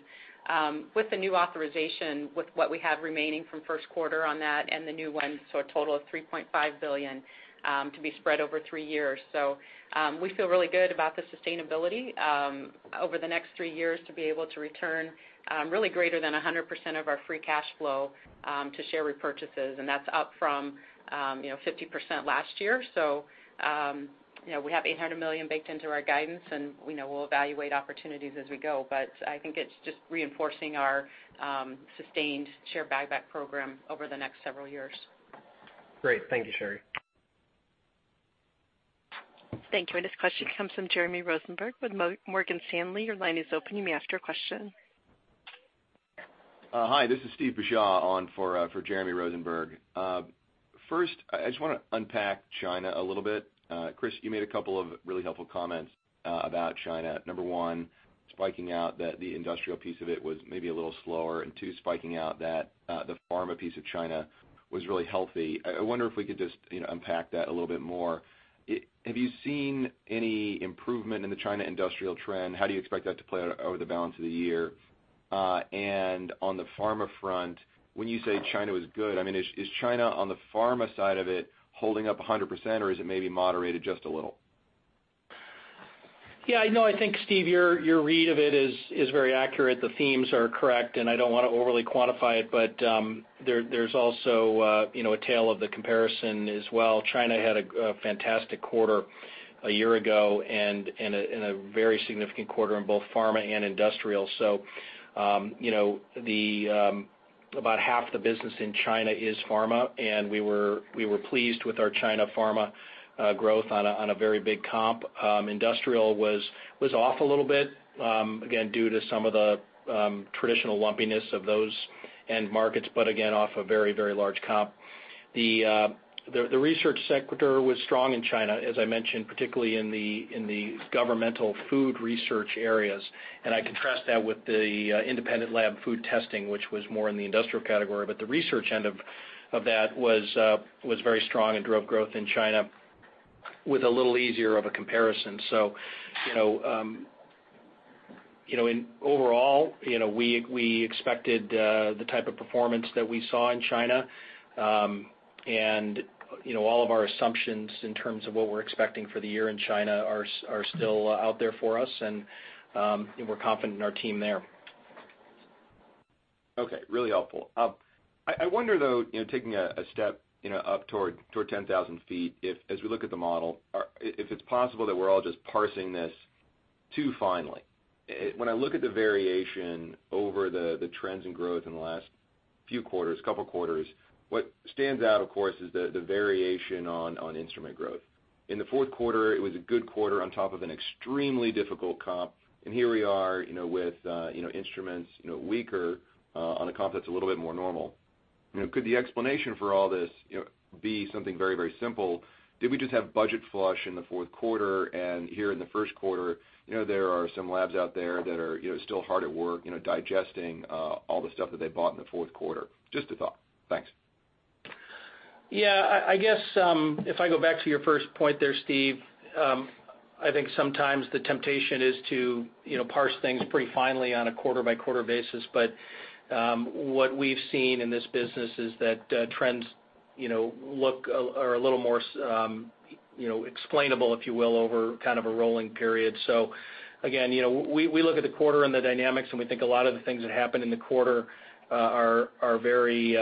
with the new authorization, with what we have remaining from first quarter on that and the new one, so a total of $3.5 billion to be spread over three years. So we feel really good about the sustainability over the next three years to be able to return really greater than 100% of our free cash flow to share repurchases. And that's up from 50% last year. So we have $800 million baked into our guidance, and we'll evaluate opportunities as we go. But I think it's just reinforcing our sustained share buyback program over the next several years. Great. Thank you, Sherry. Thank you. And this question comes from Jeremy Rosenberg with Morgan Stanley. Your line is open. You may ask your question. Hi. This is Steve Beuchaw on for Jeremy Rosenberg. First, I just want to unpack China a little bit. Chris, you made a couple of really helpful comments about China. Number one, picking out that the industrial piece of it was maybe a little slower. And two, picking out that the pharma piece of China was really healthy. I wonder if we could just unpack that a little bit more. Have you seen any improvement in the China industrial trend? How do you expect that to play out over the balance of the year? And on the pharma front, when you say China was good, I mean, is China on the pharma side of it holding up 100%, or is it maybe moderated just a little? Yeah. I think, Steve, your read of it is very accurate. The themes are correct, and I don't want to overly quantify it. But there's also a tale of the comparison as well. China had a fantastic quarter a year ago and a very significant quarter in both pharma and industrial. So about half the business in China is pharma. And we were pleased with our China pharma growth on a very big comp. Industrial was off a little bit, again, due to some of the traditional lumpiness of those end markets, but again, off a very, very large comp. The research sector was strong in China, as I mentioned, particularly in the governmental food research areas. And I contrast that with the independent lab food testing, which was more in the industrial category. But the research end of that was very strong and drove growth in China with a little easier of a comparison. So overall, we expected the type of performance that we saw in China. All of our assumptions in terms of what we're expecting for the year in China are still out there for us. We're confident in our team there. Okay. Really helpful. I wonder, though, taking a step up toward 10,000 feet, as we look at the model, if it's possible that we're all just parsing this too finely. When I look at the variation over the trends and growth in the last few quarters, a couple of quarters, what stands out, of course, is the variation on instrument growth. In the fourth quarter, it was a good quarter on top of an extremely difficult comp. Here we are with instruments weaker on a comp that's a little bit more normal. Could the explanation for all this be something very, very simple? Did we just have budget flush in the fourth quarter? Here in the first quarter, there are some labs out there that are still hard at work digesting all the stuff that they bought in the fourth quarter. Just a thought. Thanks. Yeah. I guess if I go back to your first point there, Steve. I think sometimes the temptation is to parse things pretty finely on a quarter-by-quarter basis. What we've seen in this business is that trends look a little more explainable, if you will, over kind of a rolling period. Again, we look at the quarter and the dynamics, and we think a lot of the things that happen in the quarter are very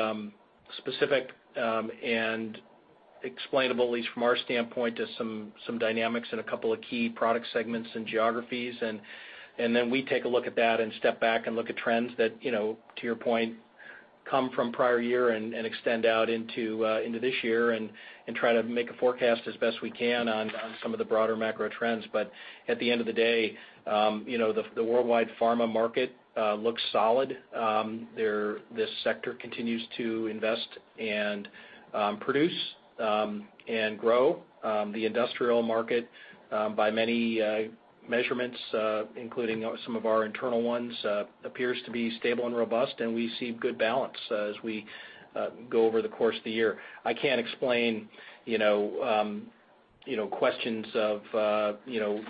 specific and explainable, at least from our standpoint, to some dynamics in a couple of key product segments and geographies. And then we take a look at that and step back and look at trends that, to your point, come from prior year and extend out into this year and try to make a forecast as best we can on some of the broader macro trends. But at the end of the day, the worldwide pharma market looks solid. This sector continues to invest and produce and grow. The industrial market, by many measurements, including some of our internal ones, appears to be stable and robust. And we see good balance as we go over the course of the year. I can't explain questions of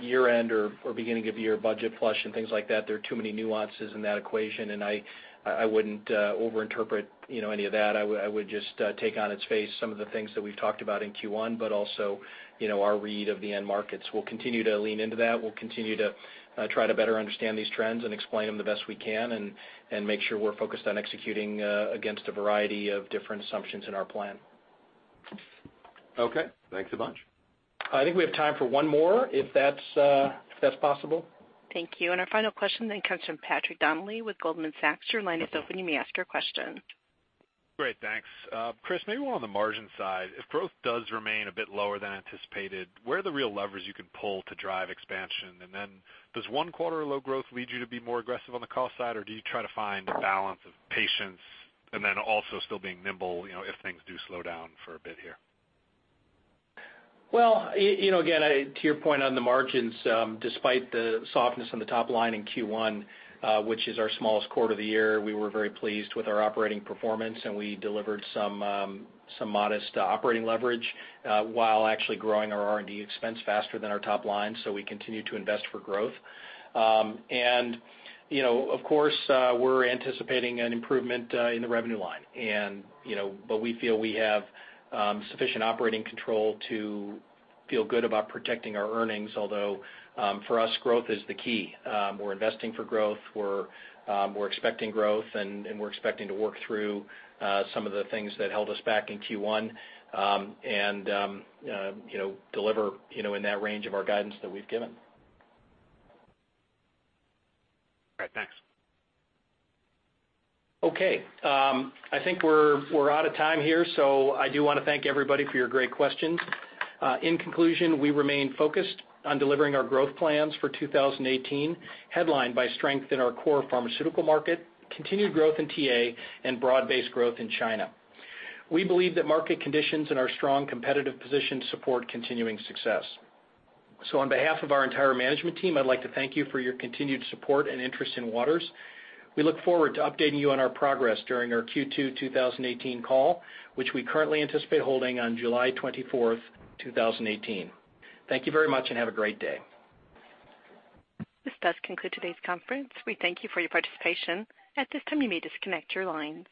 year-end or beginning of year budget flush and things like that. There are too many nuances in that equation. And I wouldn't overinterpret any of that. I would just take on its face some of the things that we've talked about in Q1, but also our read of the end markets. We'll continue to lean into that. We'll continue to try to better understand these trends and explain them the best we can and make sure we're focused on executing against a variety of different assumptions in our plan. Okay. Thanks a bunch. I think we have time for one more, if that's possible. Thank you. And our final question then comes from Patrick Donnelly with Goldman Sachs. Your line is open. You may ask your question. Great. Thanks. Chris, maybe more on the margin side. If growth does remain a bit lower than anticipated, where are the real levers you can pull to drive expansion? And then does one quarter of low growth lead you to be more aggressive on the cost side, or do you try to find a balance of patience and then also still being nimble if things do slow down for a bit here? Well, again, to your point on the margins, despite the softness on the top line in Q1, which is our smallest quarter of the year, we were very pleased with our operating performance. And we delivered some modest operating leverage while actually growing our R&D expense faster than our top line. So we continue to invest for growth. And of course, we're anticipating an improvement in the revenue line. But we feel we have sufficient operating control to feel good about protecting our earnings, although for us, growth is the key. We're investing for growth. We're expecting growth. And we're expecting to work through some of the things that held us back in Q1 and deliver in that range of our guidance that we've given. All right. Thanks. Okay. I think we're out of time here. So I do want to thank everybody for your great questions. In conclusion, we remain focused on delivering our growth plans for 2018, headlined by strength in our core pharmaceutical market, continued growth in TA, and broad-based growth in China. We believe that market conditions and our strong competitive position support continuing success. So on behalf of our entire management team, I'd like to thank you for your continued support and interest in Waters. We look forward to updating you on our progress during our Q2 2018 call, which we currently anticipate holding on July 24th, 2018. Thank you very much and have a great day. This does conclude today's conference. We thank you for your participation. At this time, you may disconnect your lines.